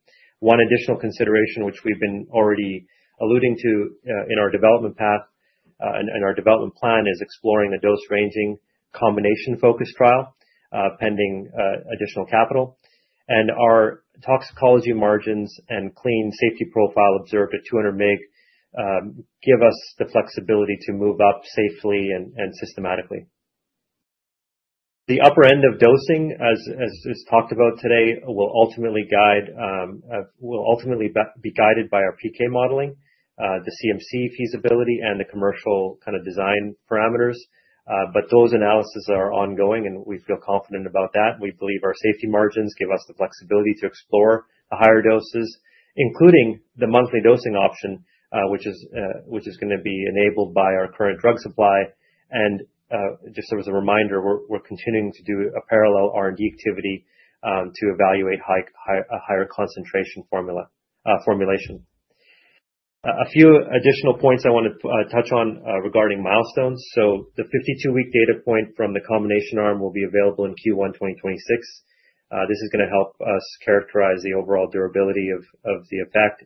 One additional consideration, which we've been already alluding to in our development path and our development plan, is exploring a dose ranging combination-focused trial pending additional capital, and our toxicology margins and clean safety profile observed at 200 mg give us the flexibility to move up safely and systematically. The upper end of dosing, as is talked about today, will ultimately be guided by our PK modeling, the CMC feasibility, and the commercial kind of design parameters, but those analyses are ongoing, and we feel confident about that. We believe our safety margins give us the flexibility to explore the higher doses, including the monthly dosing option, which is going to be enabled by our current drug supply. And just as a reminder, we're continuing to do a parallel R&D activity to evaluate a higher concentration formulation. A few additional points I want to touch on regarding milestones. So the 52-week data point from the combination arm will be available in Q1 2026. This is going to help us characterize the overall durability of the effect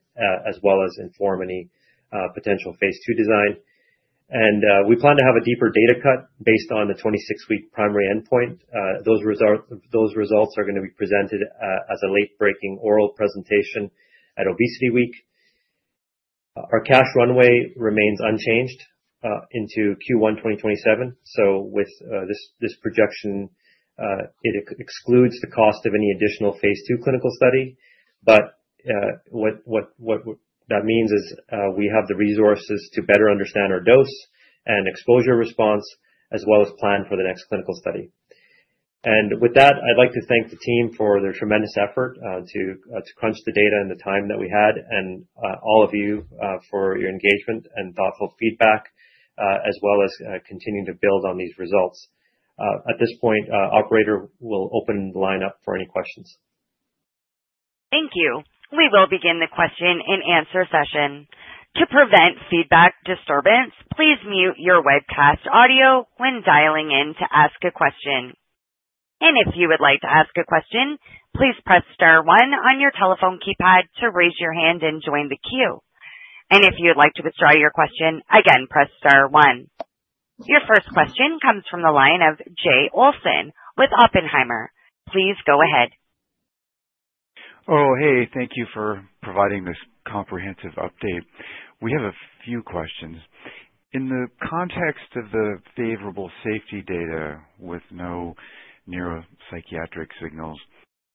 as well as inform any potential phase 2 design. And we plan to have a deeper data cut based on the 26-week primary endpoint. Those results are going to be presented as a late-breaking oral presentation at ObesityWeek. Our cash runway remains unchanged into Q1 2027. So with this projection, it excludes the cost of any additional phase 2 clinical study. But what that means is we have the resources to better understand our dose and exposure response as well as plan for the next clinical study. And with that, I'd like to thank the team for their tremendous effort to crunch the data and the time that we had, and all of you for your engagement and thoughtful feedback, as well as continuing to build on these results. At this point, Operator will open the line up for any questions. Thank you. We will begin the question-and-answer session. To prevent feedback disturbance, please mute your webcast audio when dialing in to ask a question. And if you would like to ask a question, please press star one on your telephone keypad to raise your hand and join the queue. And if you'd like to withdraw your question, again, press star one. Your first question comes from the line of Jay Olson with Oppenheimer. Please go ahead. Oh, hey. Thank you for providing this comprehensive update. We have a few questions. In the context of the favorable safety data with no neuropsychiatric signals,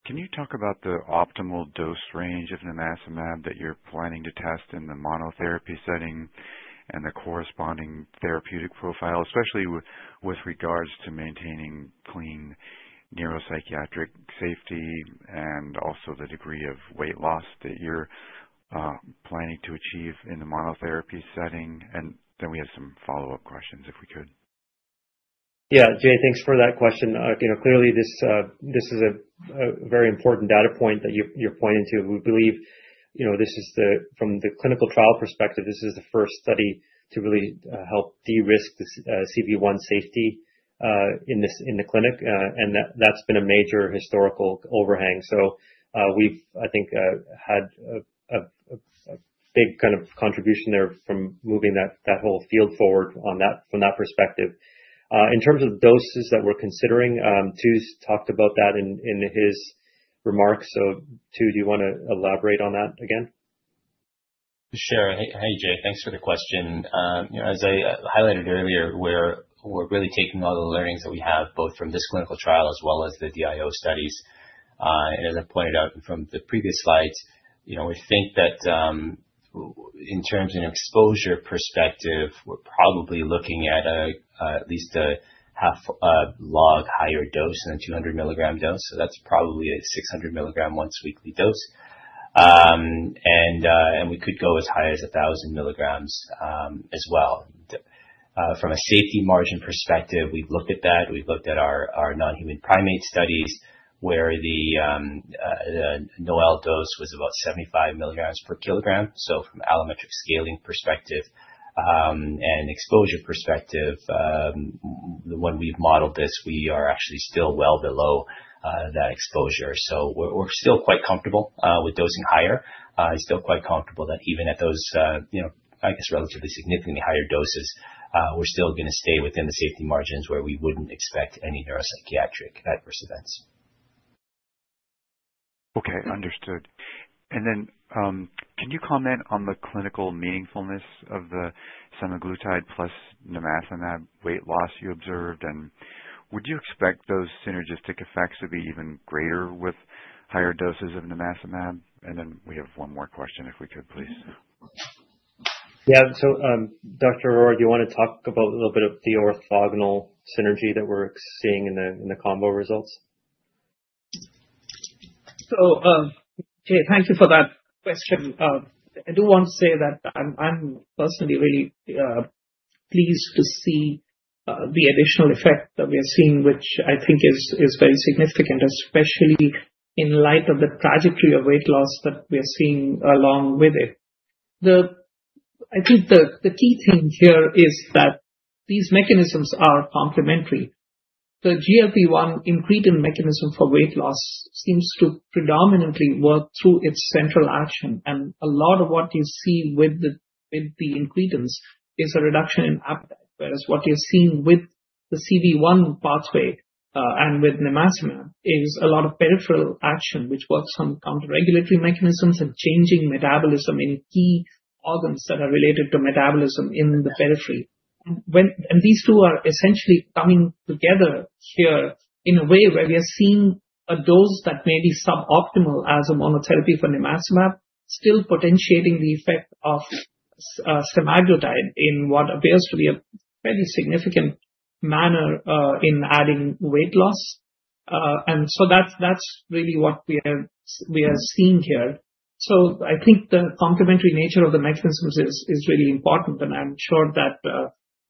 can you talk about the optimal dose range of nimacimab that you're planning to test in the monotherapy setting and the corresponding therapeutic profile, especially with regards to maintaining clean neuropsychiatric safety and also the degree of weight loss that you're planning to achieve in the monotherapy setting? And then we have some follow-up questions, if we could. Yeah, Jay, thanks for that question. Clearly, this is a very important data point that you're pointing to. We believe from the clinical trial perspective, this is the first study to really help de-risk CB1 safety in the clinic. And that's been a major historical overhang. So we've, I think, had a big kind of contribution there from moving that whole field forward from that perspective. In terms of doses that we're considering, Tu's talked about that in his remarks. So Tu, do you want to elaborate on that again? Sure. Hey, Jay, thanks for the question. As I highlighted earlier, we're really taking all the learnings that we have, both from this clinical trial as well as the DIO studies, and as I pointed out from the previous slides, we think that in terms of an exposure perspective, we're probably looking at at least a half log higher dose than a 200 milligram dose, so that's probably a 600 milligram once-weekly dose, and we could go as high as 1,000 milligrams as well. From a safety margin perspective, we've looked at that. We've looked at our non-human primate studies where the NOAEL dose was about 75 milligrams per kilogram. So from allometric scaling perspective and exposure perspective, the one we've modeled this, we are actually still well below that exposure, so we're still quite comfortable with dosing higher. I'm still quite comfortable that even at those, I guess, relatively significantly higher doses, we're still going to stay within the safety margins where we wouldn't expect any neuropsychiatric adverse events. Okay, understood. And then can you comment on the clinical meaningfulness of the semaglutide plus nimacimab weight loss you observed? And would you expect those synergistic effects to be even greater with higher doses of nimacimab? And then we have one more question, if we could, please. Yeah. So Dr. Arora, do you want to talk about a little bit of the orthogonal synergy that we're seeing in the combo results? So Jay, thank you for that question. I do want to say that I'm personally really pleased to see the additional effect that we are seeing, which I think is very significant, especially in light of the trajectory of weight loss that we are seeing along with it. I think the key thing here is that these mechanisms are complementary. The GLP-1 agonist mechanism for weight loss seems to predominantly work through its central action. And a lot of what you see with the agonists is a reduction in appetite, whereas what you're seeing with the CB1 pathway and with nimacimab is a lot of peripheral action, which works on counter-regulatory mechanisms and changing metabolism in key organs that are related to metabolism in the periphery. These two are essentially coming together here in a way where we are seeing a dose that may be suboptimal as a monotherapy for nimacimab, still potentiating the effect of semaglutide in what appears to be a fairly significant manner in adding weight loss. And so that's really what we are seeing here. So I think the complementary nature of the mechanisms is really important. And I'm sure that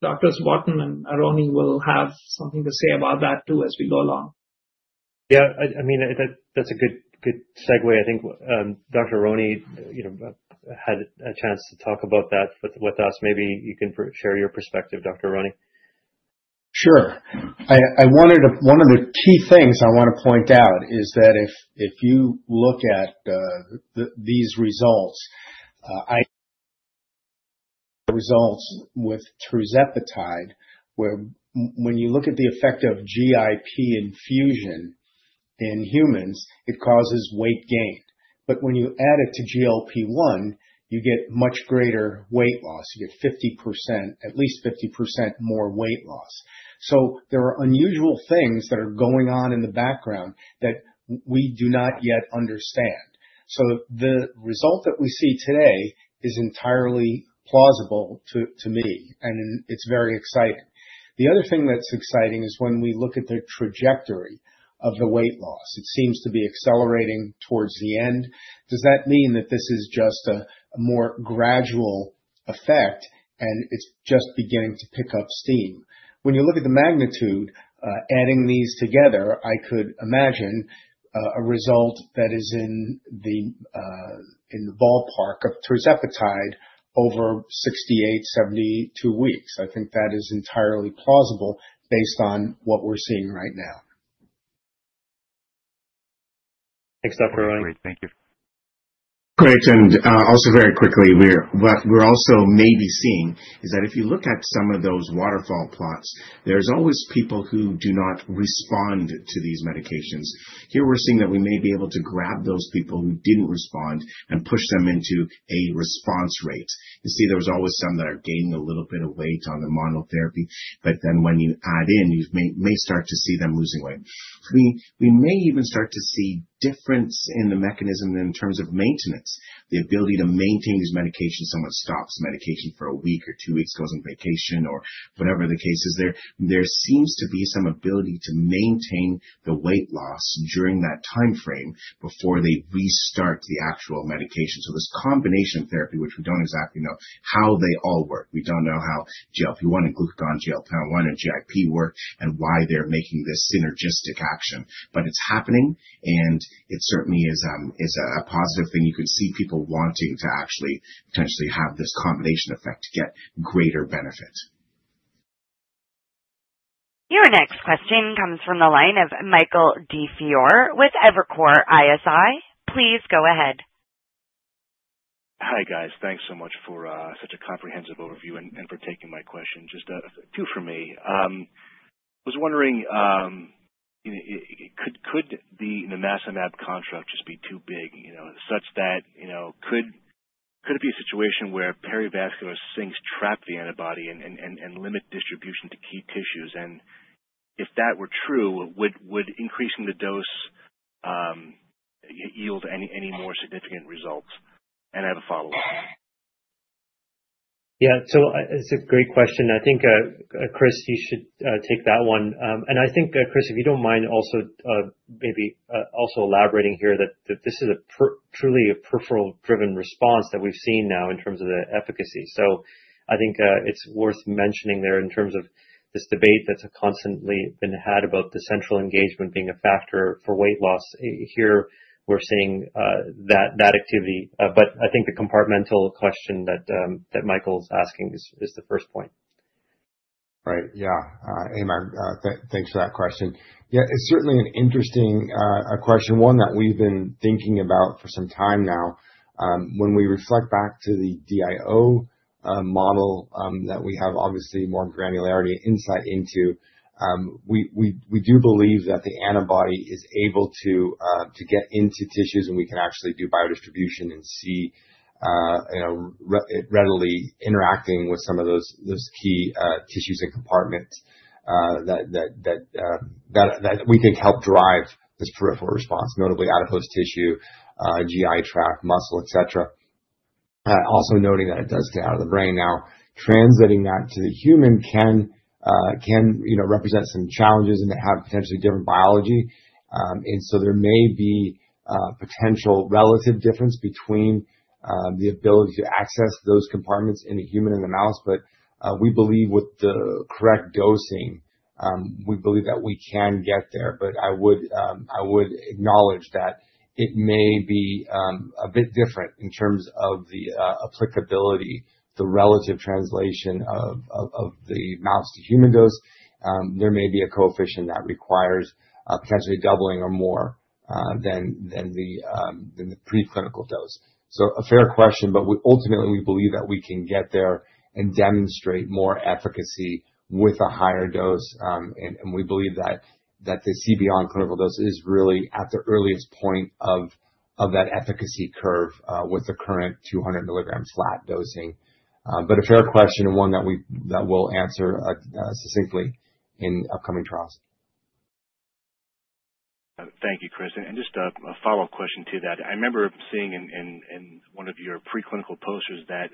Dr. Wharton and Aronne will have something to say about that too as we go along. Yeah, I mean, that's a good segue. I think Dr. Aronne had a chance to talk about that with us. Maybe you can share your perspective, Dr. Aronne. Sure. One of the key things I want to point out is that if you look at these results, the results with tirzepatide, when you look at the effect of GIP infusion in humans, it causes weight gain. But when you add it to GLP-1, you get much greater weight loss. You get at least 50% more weight loss. So there are unusual things that are going on in the background that we do not yet understand. So the result that we see today is entirely plausible to me, and it's very exciting. The other thing that's exciting is when we look at the trajectory of the weight loss. It seems to be accelerating towards the end. Does that mean that this is just a more gradual effect, and it's just beginning to pick up steam? When you look at the magnitude, adding these together, I could imagine a result that is in the ballpark of tirzepatide over 68-72 weeks. I think that is entirely plausible based on what we're seeing right now. Thanks, Dr. Aronne. Great. Thank you. Great. And also very quickly, what we're also maybe seeing is that if you look at some of those waterfall plots, there's always people who do not respond to these medications. Here we're seeing that we may be able to grab those people who didn't respond and push them into a response rate. You see there's always some that are gaining a little bit of weight on the monotherapy, but then when you add in, you may start to see them losing weight. We may even start to see difference in the mechanism in terms of maintenance, the ability to maintain these medications. Someone stops medication for a week or two weeks, goes on vacation, or whatever the case is. There seems to be some ability to maintain the weight loss during that timeframe before they restart the actual medication. So this combination therapy, which we don't exactly know how they all work. We don't know how GLP-1 and glucagon GLP-1 and GIP work and why they're making this synergistic action. But it's happening, and it certainly is a positive thing. You can see people wanting to actually potentially have this combination effect to get greater benefit. Your next question comes from the line of Michael DiFiore with Evercore ISI. Please go ahead. Hi guys. Thanks so much for such a comprehensive overview and for taking my question. Just a few for me. I was wondering, could the nimacimab construct just be too big such that could it be a situation where perivascular sinks trap the antibody and limit distribution to key tissues? And if that were true, would increasing the dose yield any more significant results? And I have a follow-up. Yeah. So it's a great question. I think, Chris, you should take that one. And I think, Chris, if you don't mind also maybe elaborating here that this is truly a peripheral-driven response that we've seen now in terms of the efficacy. So I think it's worth mentioning there in terms of this debate that's constantly been had about the central engagement being a factor for weight loss. Here we're seeing that activity. But I think the compartmental question that Michael's asking is the first point. Right. Yeah. Hey, Mike. Thanks for that question. Yeah, it's certainly an interesting question, one that we've been thinking about for some time now. When we reflect back to the DIO model that we have obviously more granularity insight into, we do believe that the antibody is able to get into tissues and we can actually do biodistribution and see readily interacting with some of those key tissues and compartments that we think help drive this peripheral response, notably adipose tissue, GI tract, muscle, etc. Also noting that it does stay out of the brain. Now, translating that to the human can represent some challenges and have potentially different biology. And so there may be potential relative difference between the ability to access those compartments in a human and a mouse. But we believe with the correct dosing, we believe that we can get there. But I would acknowledge that it may be a bit different in terms of the applicability, the relative translation of the mouse to human dose. There may be a coefficient that requires potentially doubling or more than the preclinical dose. So a fair question, but ultimately, we believe that we can get there and demonstrate more efficacy with a higher dose. And we believe that the CB1 clinical dose is really at the earliest point of that efficacy curve with the current 200-milligram flat dosing. But a fair question and one that we'll answer succinctly in upcoming trials. Thank you, Chris. And just a follow-up question to that. I remember seeing in one of your preclinical posters that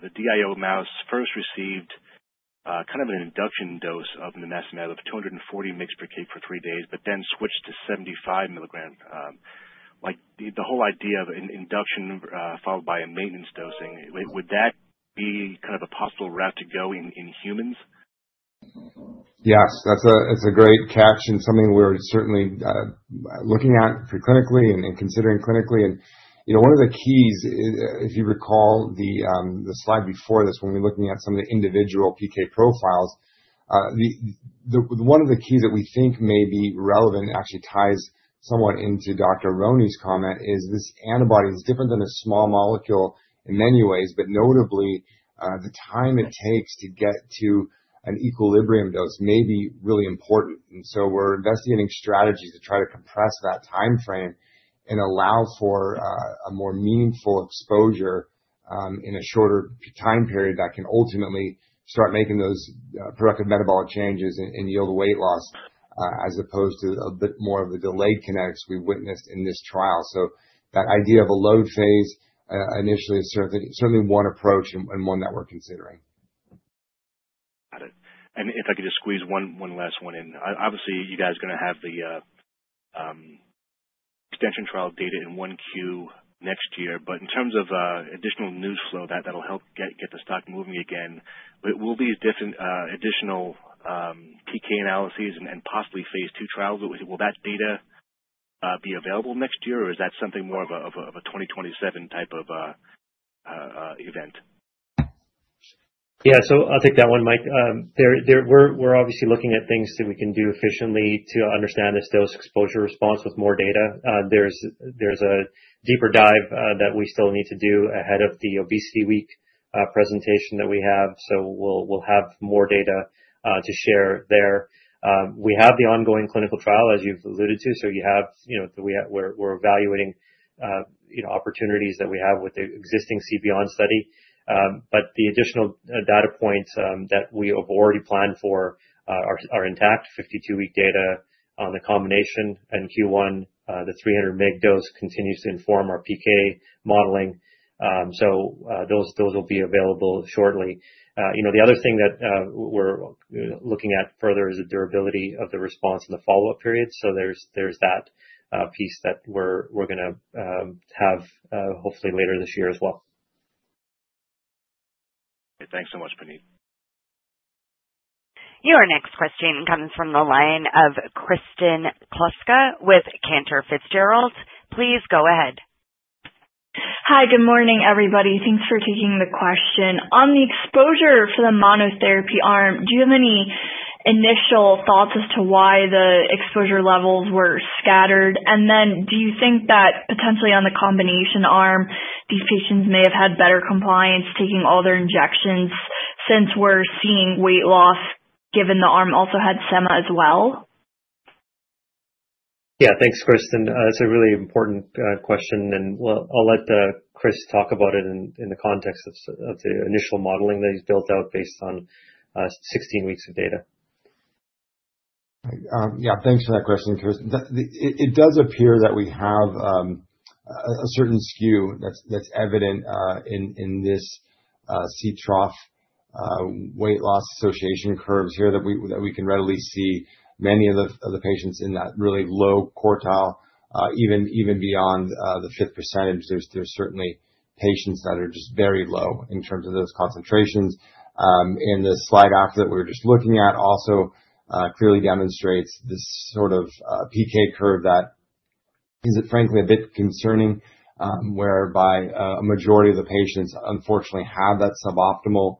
the DIO mouse first received kind of an induction dose of nimacimab of 240 mg per kg for three days, but then switched to 75 milligrams. The whole idea of induction followed by a maintenance dosing, would that be kind of a possible route to go in humans? Yes. That's a great catch and something we're certainly looking at preclinically and considering clinically, and one of the keys, if you recall the slide before this, when we're looking at some of the individual PK profiles, one of the keys that we think may be relevant and actually ties somewhat into Dr. Aronne's comment is this antibody is different than a small molecule in many ways, but notably, the time it takes to get to an equilibrium dose may be really important, and so we're investigating strategies to try to compress that timeframe and allow for a more meaningful exposure in a shorter time period that can ultimately start making those productive metabolic changes and yield weight loss as opposed to a bit more of the delayed kinetics we witnessed in this trial. So that idea of a load phase initially is certainly one approach and one that we're considering. Got it. And if I could just squeeze one last one in. Obviously, you guys are going to have the extension trial data in Q1 next year. But in terms of additional news flow that'll help get the stock moving again, will these additional PK analyses and possibly Phase 2 trials, will that data be available next year, or is that something more of a 2027 type of event? Yeah. So I'll take that one, Mike. We're obviously looking at things that we can do efficiently to understand this dose exposure response with more data. There's a deeper dive that we still need to do ahead of the Obesity Week presentation that we have. So we'll have more data to share there. We have the ongoing clinical trial, as you've alluded to. So we're evaluating opportunities that we have with the existing CB1 study. But the additional data points that we have already planned for are intact, 52-week data on the combination and Q1. The 300-mg dose continues to inform our PK modeling. So those will be available shortly. The other thing that we're looking at further is the durability of the response in the follow-up period. So there's that piece that we're going to have hopefully later this year as well. Thanks so much, Puneet. Your next question comes from the line of Kristen Kluska with Cantor Fitzgerald. Please go ahead. Hi, good morning, everybody. Thanks for taking the question. On the exposure for the monotherapy arm, do you have any initial thoughts as to why the exposure levels were scattered? And then do you think that potentially on the combination arm, these patients may have had better compliance taking all their injections since we're seeing weight loss given the arm also had Sema as well? Yeah. Thanks, Kristen. That's a really important question, and I'll let Chris talk about it in the context of the initial modeling that he's built out based on 16 weeks of data. Yeah. Thanks for that question, Chris. It does appear that we have a certain skew that's evident in this Ctrough weight loss association curves here that we can readily see many of the patients in that really low quartile, even beyond the 5th percentile. There's certainly patients that are just very low in terms of those concentrations. And the slide after that we were just looking at also clearly demonstrates this sort of PK curve that is, frankly, a bit concerning, whereby a majority of the patients unfortunately have that suboptimal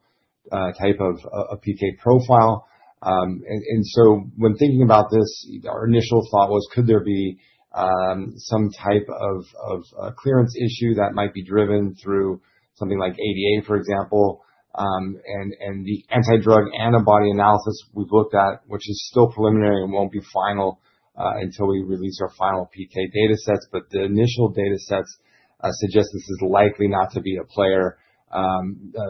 type of PK profile. And so when thinking about this, our initial thought was, could there be some type of clearance issue that might be driven through something like ADA, for example? And the anti-drug antibody analysis we've looked at, which is still preliminary and won't be final until we release our final PK data sets. But the initial data sets suggest this is likely not to be a player,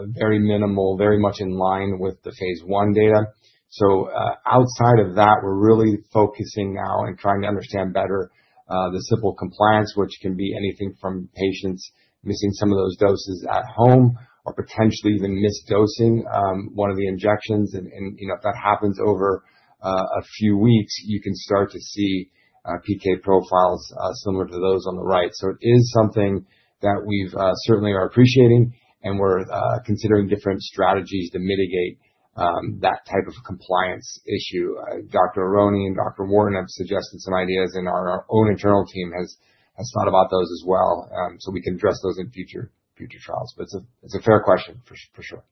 very minimal, very much in line with the Phase 1 data. So outside of that, we're really focusing now and trying to understand better the patient compliance, which can be anything from patients missing some of those doses at home or potentially even misdosing one of the injections. And if that happens over a few weeks, you can start to see PK profiles similar to those on the right. So it is something that we certainly are appreciating, and we're considering different strategies to mitigate that type of compliance issue. Dr. Aronne and Dr. Wharton have suggested some ideas, and our own internal team has thought about those as well so we can address those in future trials. But it's a fair question for sure.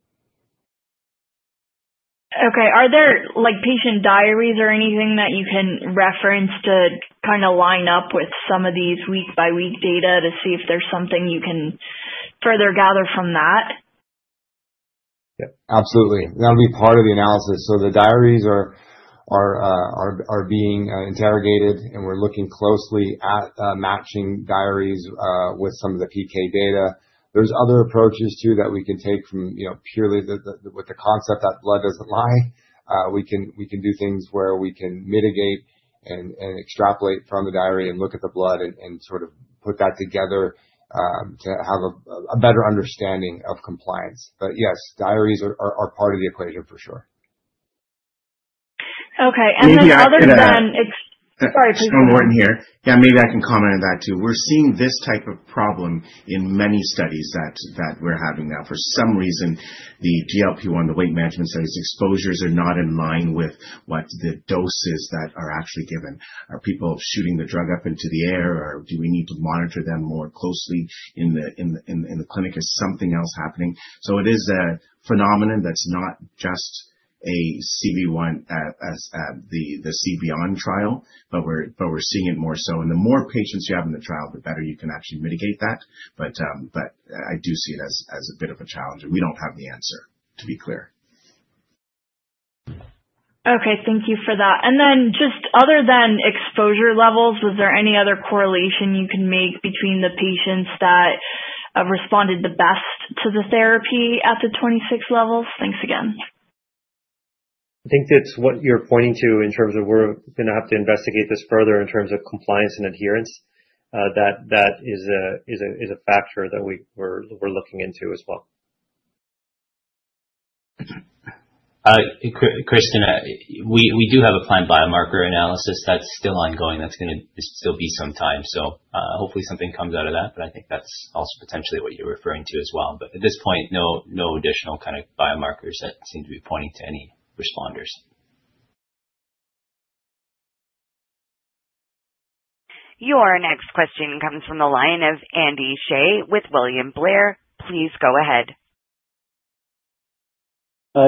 Okay. Are there patient diaries or anything that you can reference to kind of line up with some of these week-by-week data to see if there's something you can further gather from that? Yeah. Absolutely. That'll be part of the analysis. So the diaries are being interrogated, and we're looking closely at matching diaries with some of the PK data. There's other approaches too that we can take purely with the concept that blood doesn't lie. We can do things where we can mitigate and extrapolate from the diary and look at the blood and sort of put that together to have a better understanding of compliance. But yes, diaries are part of the equation for sure. Okay. And then other than, sorry, please go ahead. Just one more in here. Yeah, maybe I can comment on that too. We're seeing this type of problem in many studies that we're having now. For some reason, the GLP-1, the weight management studies, exposures are not in line with what the doses that are actually given. Are people shooting the drug up into the air, or do we need to monitor them more closely in the clinic? Is something else happening? So it is a phenomenon that's not just a CB1 as the CB1 trial, but we're seeing it more so. And the more patients you have in the trial, the better you can actually mitigate that. But I do see it as a bit of a challenge. We don't have the answer, to be clear. Okay. Thank you for that. And then just other than exposure levels, was there any other correlation you can make between the patients that responded the best to the therapy at the 26 levels? Thanks again. I think that's what you're pointing to in terms of we're going to have to investigate this further in terms of compliance and adherence. That is a factor that we're looking into as well. Kristen, we do have a planned biomarker analysis that's still ongoing. That's going to still be some time, so hopefully something comes out of that, but I think that's also potentially what you're referring to as well, but at this point, no additional kind of biomarkers that seem to be pointing to any responders. Your next question comes from the line of Andy Hsieh with William Blair. Please go ahead.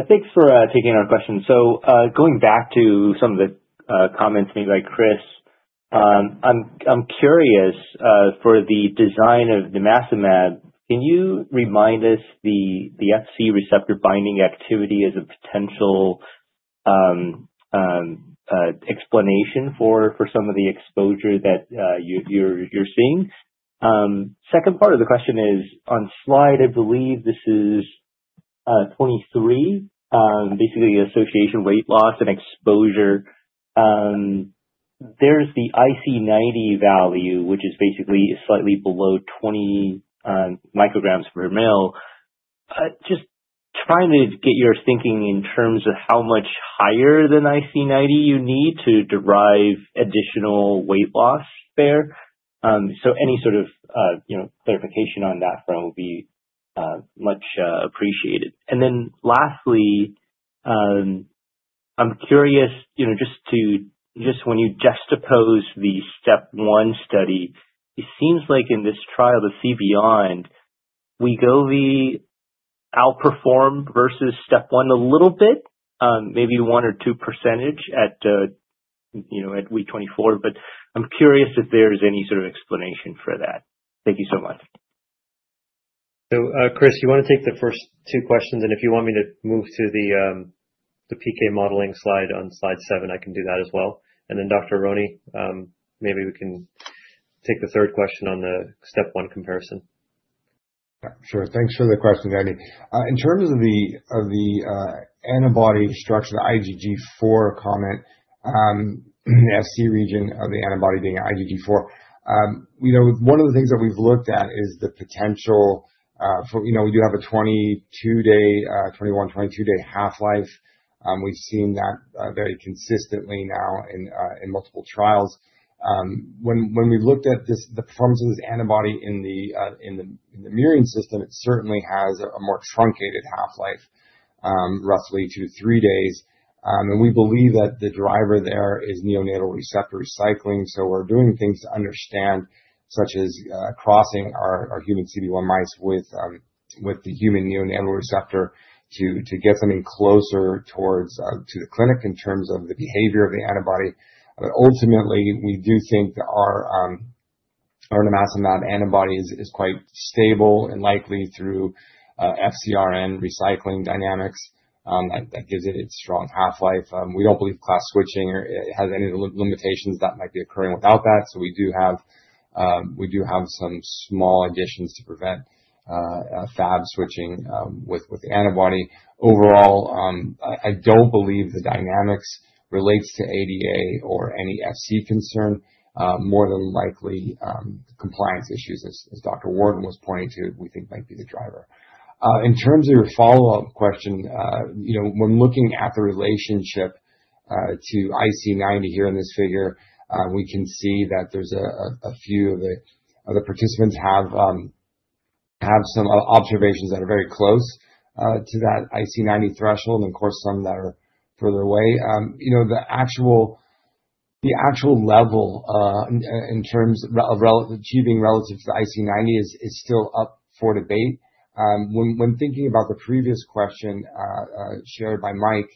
Thanks for taking our question. So going back to some of the comments made by Chris, I'm curious for the design of the nimacimab. Can you remind us the Fc receptor binding activity as a potential explanation for some of the exposure that you're seeing? Second part of the question is on slide, I believe this is 23, basically the association weight loss and exposure. There's the IC90 value, which is basically slightly below 20 micrograms per mL. Just trying to get your thinking in terms of how much higher than IC90 you need to derive additional weight loss there. So any sort of clarification on that front would be much appreciated. And then lastly, I'm curious just when you juxtapose the STEP 1 study, it seems like in this trial with CB1, Wegovy outperformed versus STEP 1 a little bit, maybe 1% or 2% at week 24. But I'm curious if there's any sort of explanation for that. Thank you so much. So Chris, you want to take the first two questions, and if you want me to move to the PK modeling slide on slide seven, I can do that as well. And then Dr. Aronne, maybe we can take the third question on the step one comparison. Sure. Thanks for the question, Danny. In terms of the antibody structure, the IgG4 comment, the Fc region of the antibody being IgG4, one of the things that we've looked at is the potential for we do have a 21-22-day half-life. We've seen that very consistently now in multiple trials. When we've looked at the performance of this antibody in the murine system, it certainly has a more truncated half-life, roughly two to three days. And we believe that the driver there is neonatal Fc receptor recycling. So we're doing things to understand, such as crossing our human CB1 mice with the human neonatal Fc receptor to get something closer to the clinic in terms of the behavior of the antibody. But ultimately, we do think our nimacimab antibody is quite stable and likely through FcRn recycling dynamics that gives it its strong half-life. We don't believe class switching has any limitations that might be occurring without that. So we do have some small additions to prevent Fab switching with the antibody. Overall, I don't believe the dynamics relates to ADA or any FC concern. More than likely, compliance issues, as Dr. Wharton was pointing to, we think might be the driver. In terms of your follow-up question, when looking at the relationship to IC90 here in this figure, we can see that there's a few of the participants have some observations that are very close to that IC90 threshold, and of course, some that are further away. The actual level in terms of achieving relative to the IC90 is still up for debate. When thinking about the previous question shared by Mike,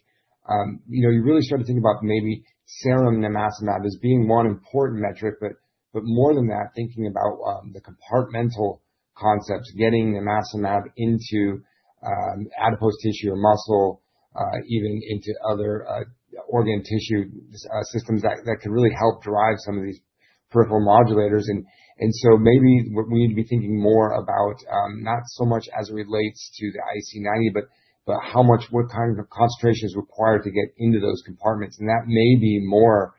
you really start to think about maybe serum nimacimab as being one important metric. But more than that, thinking about the compartmental concepts, getting nimacimab into adipose tissue or muscle, even into other organ tissue systems that can really help drive some of these peripheral modulators. And so maybe we need to be thinking more about not so much as it relates to the IC90, but what kind of concentration is required to get into those compartments. And that may be more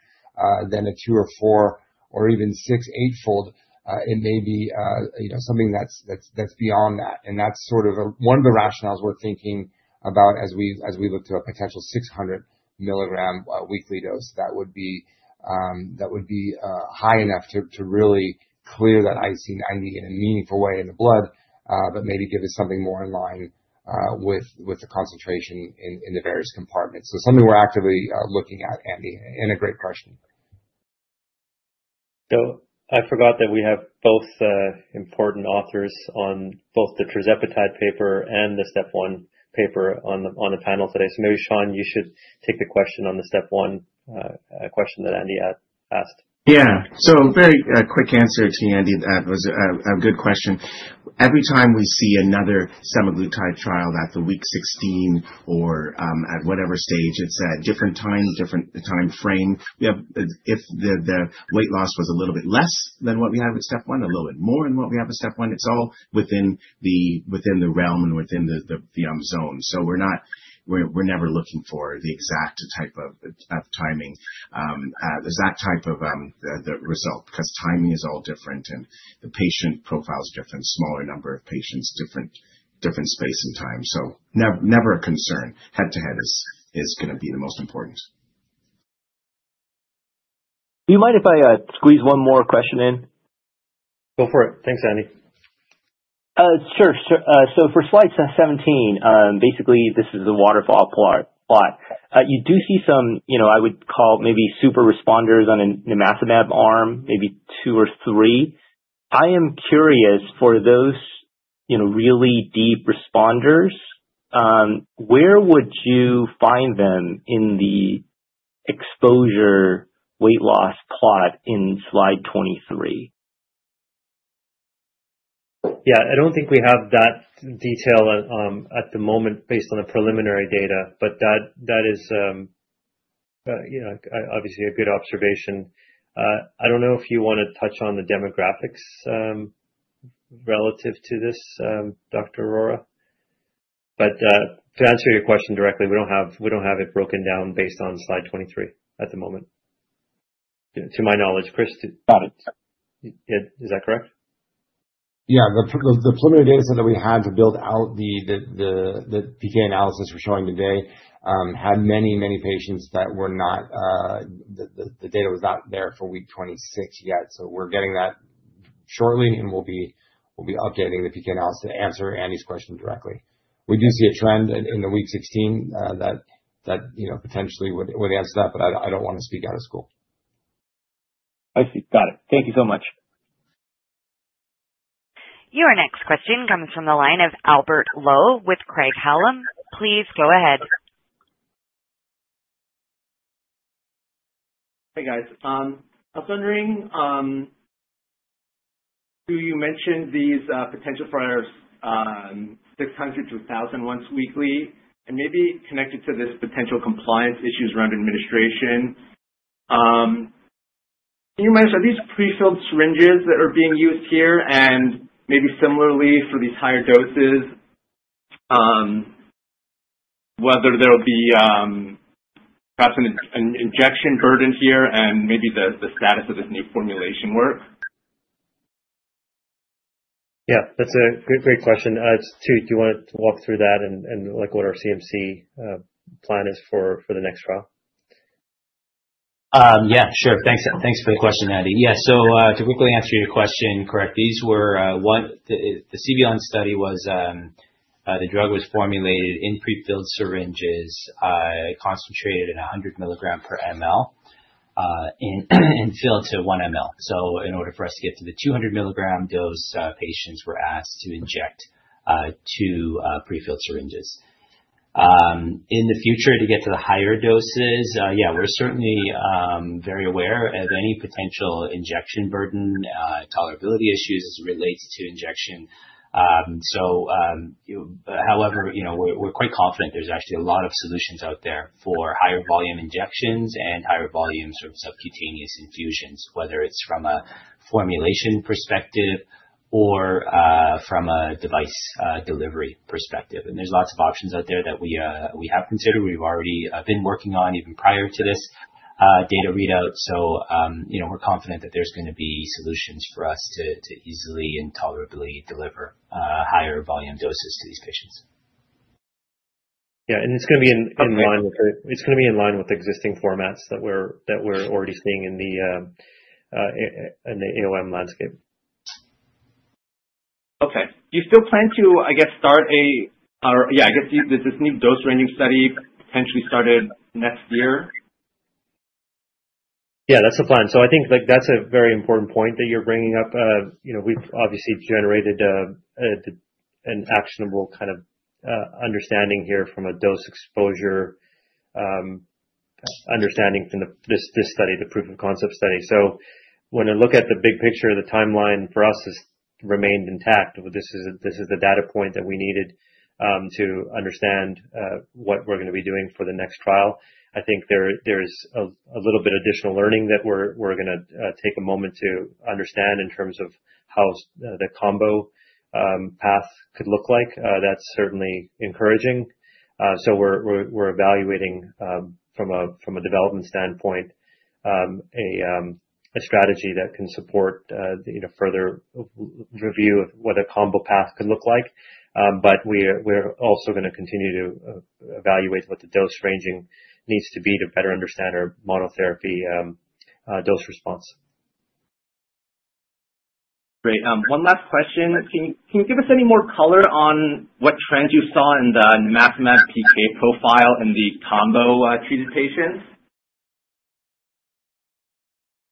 than a two or four or even six-eightfold. It may be something that's beyond that. And that's sort of one of the rationales we're thinking about as we look to a potential 600-milligram weekly dose. That would be high enough to really clear that IC90 in a meaningful way in the blood, but maybe give us something more in line with the concentration in the various compartments. So something we're actively looking at, Andy. And a great question. I forgot that we have both important authors on both the tirzepatide paper and the STEP 1 paper on the panel today. Maybe, Sean, you should take the question on the STEP 1 question that Andy asked. Yeah. So very quick answer to Andy. That was a good question. Every time we see another semaglutide trial at the week 16 or at whatever stage, it's at different times, different time frame. If the weight loss was a little bit less than what we have at step one, a little bit more than what we have at step one, it's all within the realm and within the zone. So we're never looking for the exact type of timing. There's that type of result because timing is all different, and the patient profile is different, smaller number of patients, different space and time. So never a concern. Head-to-head is going to be the most important. Do you mind if I squeeze one more question in? Go for it. Thanks, Andy. Sure. So for slide 17, basically, this is the waterfall plot. You do see some, I would call, maybe super responders on a Nimacimab arm, maybe two or three. I am curious, for those really deep responders, where would you find them in the exposure weight loss plot in slide 23? Yeah. I don't think we have that detail at the moment based on the preliminary data, but that is obviously a good observation. I don't know if you want to touch on the demographics relative to this, Dr. Arora. But to answer your question directly, we don't have it broken down based on slide 23 at the moment, to my knowledge. Chris. Got it. Is that correct? Yeah. The preliminary data set that we had to build out the PK analysis we're showing today had many, many patients that were not. The data was not there for week 26 yet. So we're getting that shortly, and we'll be updating the PK analysis to answer Andy's question directly. We do see a trend in week 16 that potentially would answer that, but I don't want to speak out of school. I see. Got it. Thank you so much. Your next question comes from the line of Albert Lowe with Craig-Hallum. Please go ahead. Hey, guys. I was wondering, so you mentioned these potential for 600-1,000 once weekly, and maybe connected to this potential compliance issues around administration. Can you imagine, are these prefilled syringes that are being used here? And maybe similarly for these higher doses, whether there'll be perhaps an injection burden here and maybe the status of this new formulation work? Yeah. That's a great question. Tu, do you want to walk through that and what our CMC plan is for the next trial? Yeah. Sure. Thanks for the question, Andy. Yeah, so to quickly answer your question, correct. These were what the CB1 study was. The drug was formulated in prefilled syringes concentrated at 100 milligram per mL and filled to 1 mL, so in order for us to get to the 200-milligram dose, patients were asked to inject two prefilled syringes. In the future, to get to the higher doses, yeah, we're certainly very aware of any potential injection burden, tolerability issues as it relates to injection, so however, we're quite confident there's actually a lot of solutions out there for higher volume injections and higher volume sort of subcutaneous infusions, whether it's from a formulation perspective or from a device delivery perspective, and there's lots of options out there that we have considered. We've already been working on even prior to this data readout. So we're confident that there's going to be solutions for us to easily and tolerably deliver higher volume doses to these patients. Yeah. And it's going to be in line with existing formats that we're already seeing in the AOM landscape. Okay. Do you still plan to, I guess, start this new dose range study potentially started next year? Yeah. That's the plan. So I think that's a very important point that you're bringing up. We've obviously generated an actionable kind of understanding here from a dose exposure understanding from this study, the proof of concept study. So when I look at the big picture, the timeline for us has remained intact. This is the data point that we needed to understand what we're going to be doing for the next trial. I think there's a little bit of additional learning that we're going to take a moment to understand in terms of how the combo path could look like. That's certainly encouraging. So we're evaluating from a development standpoint a strategy that can support further review of what a combo path could look like. But we're also going to continue to evaluate what the dose ranging needs to be to better understand our monotherapy dose response. Great. One last question. Can you give us any more color on what trends you saw in the Nimacimab PK profile in the combo-treated patients?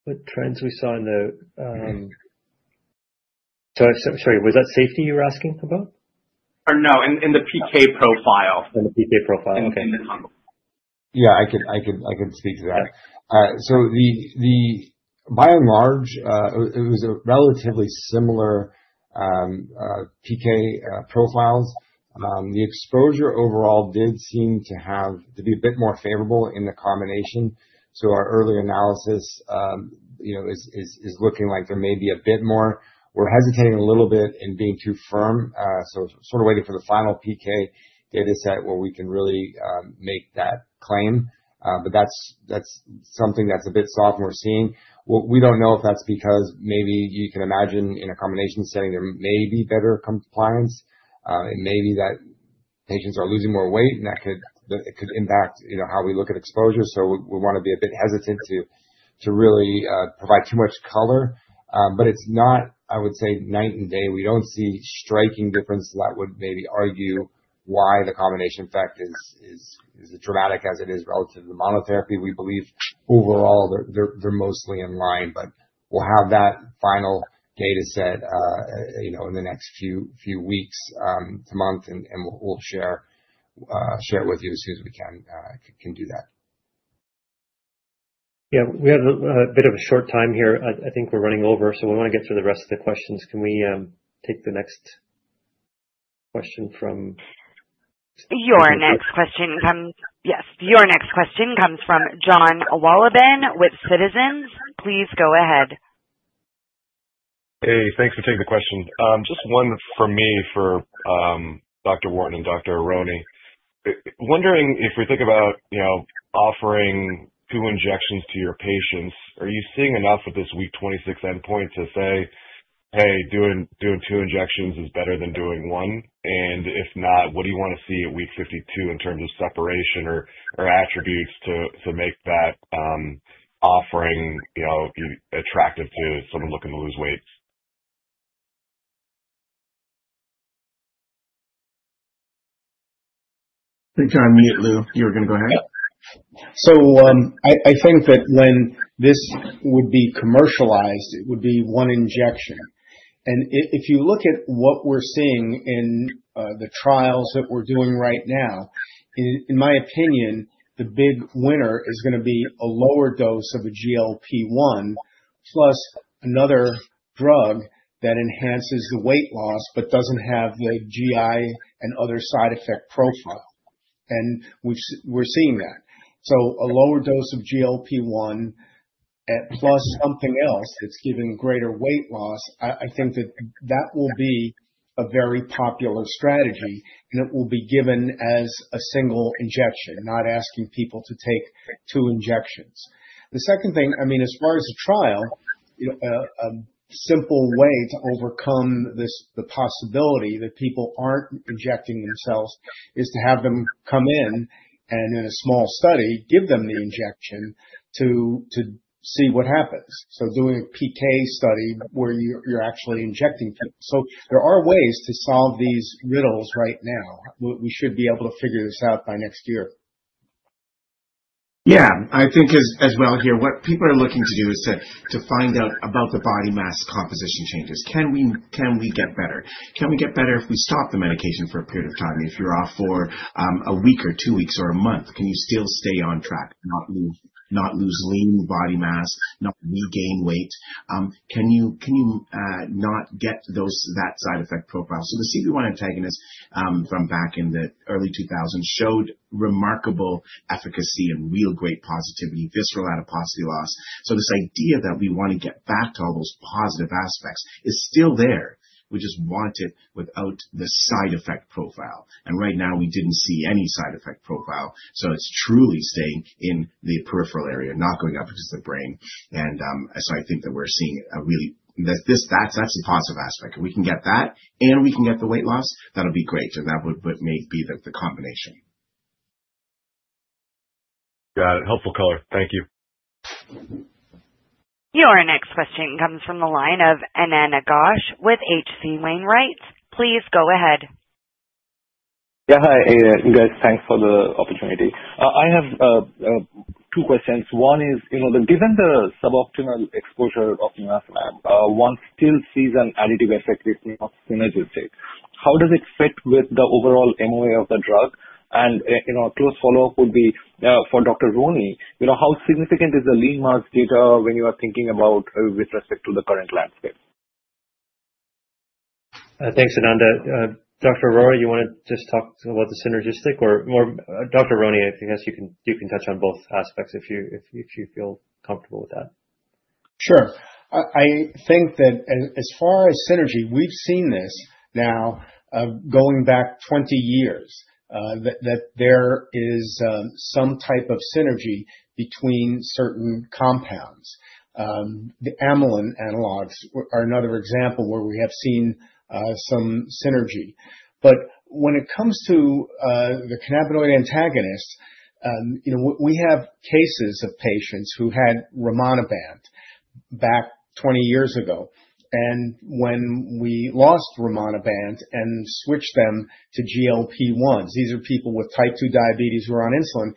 What trends we saw in the... Sorry. Was that safety you were asking about? No. In the PK profile. In the PK profile. Okay. In the combo. Yeah. I can speak to that. So by and large, it was a relatively similar PK profiles. The exposure overall did seem to be a bit more favorable in the combination. So our early analysis is looking like there may be a bit more. We're hesitating a little bit in being too firm. So sort of waiting for the final PK data set where we can really make that claim. But that's something that's a bit soft and we're seeing. We don't know if that's because maybe you can imagine in a combination setting, there may be better compliance. It may be that patients are losing more weight, and that could impact how we look at exposure. So we want to be a bit hesitant to really provide too much color. But it's not, I would say, night and day. We don't see striking differences that would maybe argue why the combination effect is as dramatic as it is relative to the monotherapy. We believe overall they're mostly in line. But we'll have that final data set in the next few weeks to months, and we'll share with you as soon as we can do that. Yeah. We have a bit of a short time here. I think we're running over. So we want to get through the rest of the questions. Can we take the next question from? Your next question comes from John Wolleben with Citizens. Please go ahead. Hey. Thanks for taking the question. Just one for me for Dr. Wharton and Dr. Aronne. Wondering if we think about offering two injections to your patients, are you seeing enough of this week 26 endpoint to say, "Hey, doing two injections is better than doing one?" And if not, what do you want to see at week 52 in terms of separation or attributes to make that offering attractive to someone looking to lose weight? I think I'm muted, Lou. You were going to go ahead. Yeah. I think that when this would be commercialized, it would be one injection. And if you look at what we're seeing in the trials that we're doing right now, in my opinion, the big winner is going to be a lower dose of a GLP-1 plus another drug that enhances the weight loss but doesn't have the GI and other side effect profile. And we're seeing that. So a lower dose of GLP-1 plus something else that's giving greater weight loss, I think that that will be a very popular strategy. And it will be given as a single injection, not asking people to take two injections. The second thing, I mean, as far as the trial, a simple way to overcome the possibility that people aren't injecting themselves is to have them come in and in a small study, give them the injection to see what happens. So, doing a PK study where you're actually injecting people. So, there are ways to solve these riddles right now. We should be able to figure this out by next year. Yeah. I think as well here, what people are looking to do is to find out about the body mass composition changes. Can we get better? Can we get better if we stop the medication for a period of time? If you're off for a week or two weeks or a month, can you still stay on track, not lose lean body mass, not regain weight? Can you not get that side effect profile? So the CB1 antagonist from back in the early 2000s showed remarkable efficacy and real great positivity, visceral adiposity loss. So this idea that we want to get back to all those positive aspects is still there. We just want it without the side effect profile. And right now, we didn't see any side effect profile. So it's truly staying in the peripheral area, not going up into the brain. And so I think that we're seeing a really that's the positive aspect. If we can get that and we can get the weight loss, that'll be great. And that would maybe be the combination. Got it. Helpful color. Thank you. Your next question comes from the line of Anneta Gosch with H.C. Wainwright. Please go ahead. Yeah. Hi, Annetta. Thanks for the opportunity. I have two questions. One is, given the suboptimal exposure of nimacimab, one still sees an additive effect with semaglutide. How does it fit with the overall MOA of the drug? And a close follow-up would be for Dr. Aronne, how significant is the lean mass data when you are thinking about with respect to the current landscape? Thanks, Annetta. Dr. Arora, you want to just talk about the synergistic, or more, Dr. Aronne, I guess you can touch on both aspects if you feel comfortable with that. Sure. I think that as far as synergy, we've seen this now going back 20 years that there is some type of synergy between certain compounds. The amylin analogs are another example where we have seen some synergy. But when it comes to the cannabinoid antagonist, we have cases of patients who had rimonabant back 20 years ago. And when we lost rimonabant and switched them to GLP-1s, these are people with type 2 diabetes who are on insulin.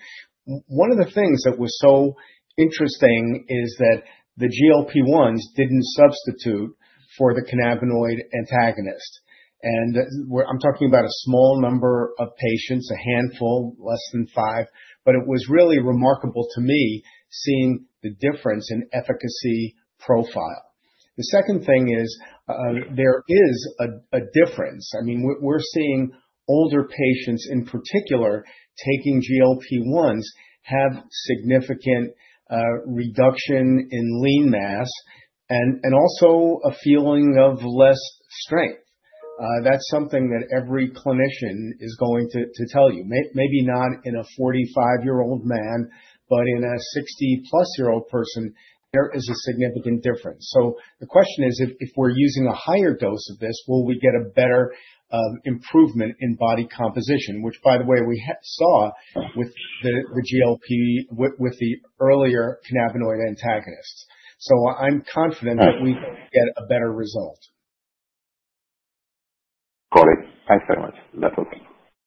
One of the things that was so interesting is that the GLP-1s didn't substitute for the cannabinoid antagonist. And I'm talking about a small number of patients, a handful, less than five. But it was really remarkable to me seeing the difference in efficacy profile. The second thing is there is a difference. I mean, we're seeing older patients in particular taking GLP-1s have significant reduction in lean mass and also a feeling of less strength. That's something that every clinician is going to tell you. Maybe not in a 45-year-old man, but in a 60-plus-year-old person, there is a significant difference. So the question is, if we're using a higher dose of this, will we get a better improvement in body composition, which, by the way, we saw with the GLP-1s with the earlier cannabinoid antagonists? So I'm confident that we can get a better result. Got it. Thanks very much. That was.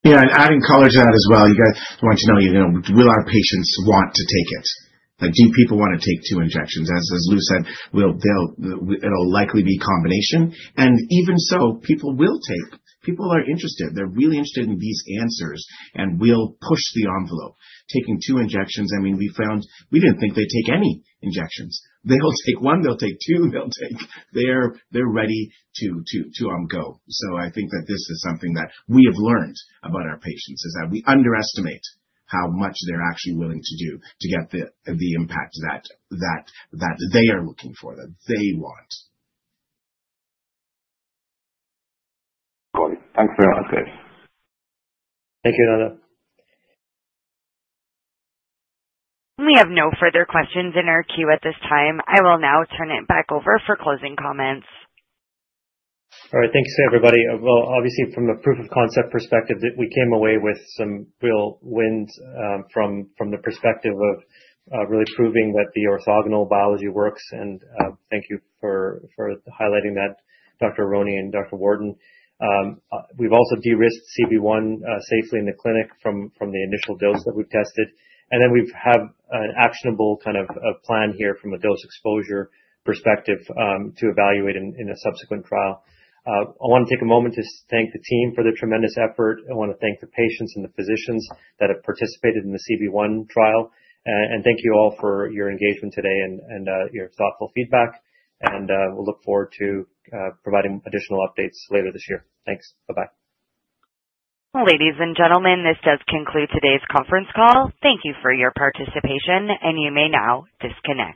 Yeah. And adding color to that as well, you guys want to know, will our patients want to take it? Do people want to take two injections? As Lou said, it'll likely be a combination. And even so, people will take. People are interested. They're really interested in these answers. And we'll push the envelope. Taking two injections, I mean, we found we didn't think they'd take any injections. They'll take one. They'll take two. They'll take they're ready to go. So I think that this is something that we have learned about our patients is that we underestimate how much they're actually willing to do to get the impact that they are looking for, that they want. Got it. Thanks very much. Thank you, Annetta. We have no further questions in our queue at this time. I will now turn it back over for closing comments. All right. Thank you, everybody. Obviously, from the proof of concept perspective, we came away with some real wins from the perspective of really proving that the orthogonal biology works. And thank you for highlighting that, Dr. Aronne and Dr. Wharton. We've also de-risked CB1 safely in the clinic from the initial dose that we've tested. And then we have an actionable kind of plan here from a dose exposure perspective to evaluate in a subsequent trial. I want to take a moment to thank the team for their tremendous effort. I want to thank the patients and the physicians that have participated in the CB1 trial. And thank you all for your engagement today and your thoughtful feedback. And we'll look forward to providing additional updates later this year. Thanks. Bye-bye. Ladies and gentlemen, this does conclude today's conference call. Thank you for your participation. And you may now disconnect.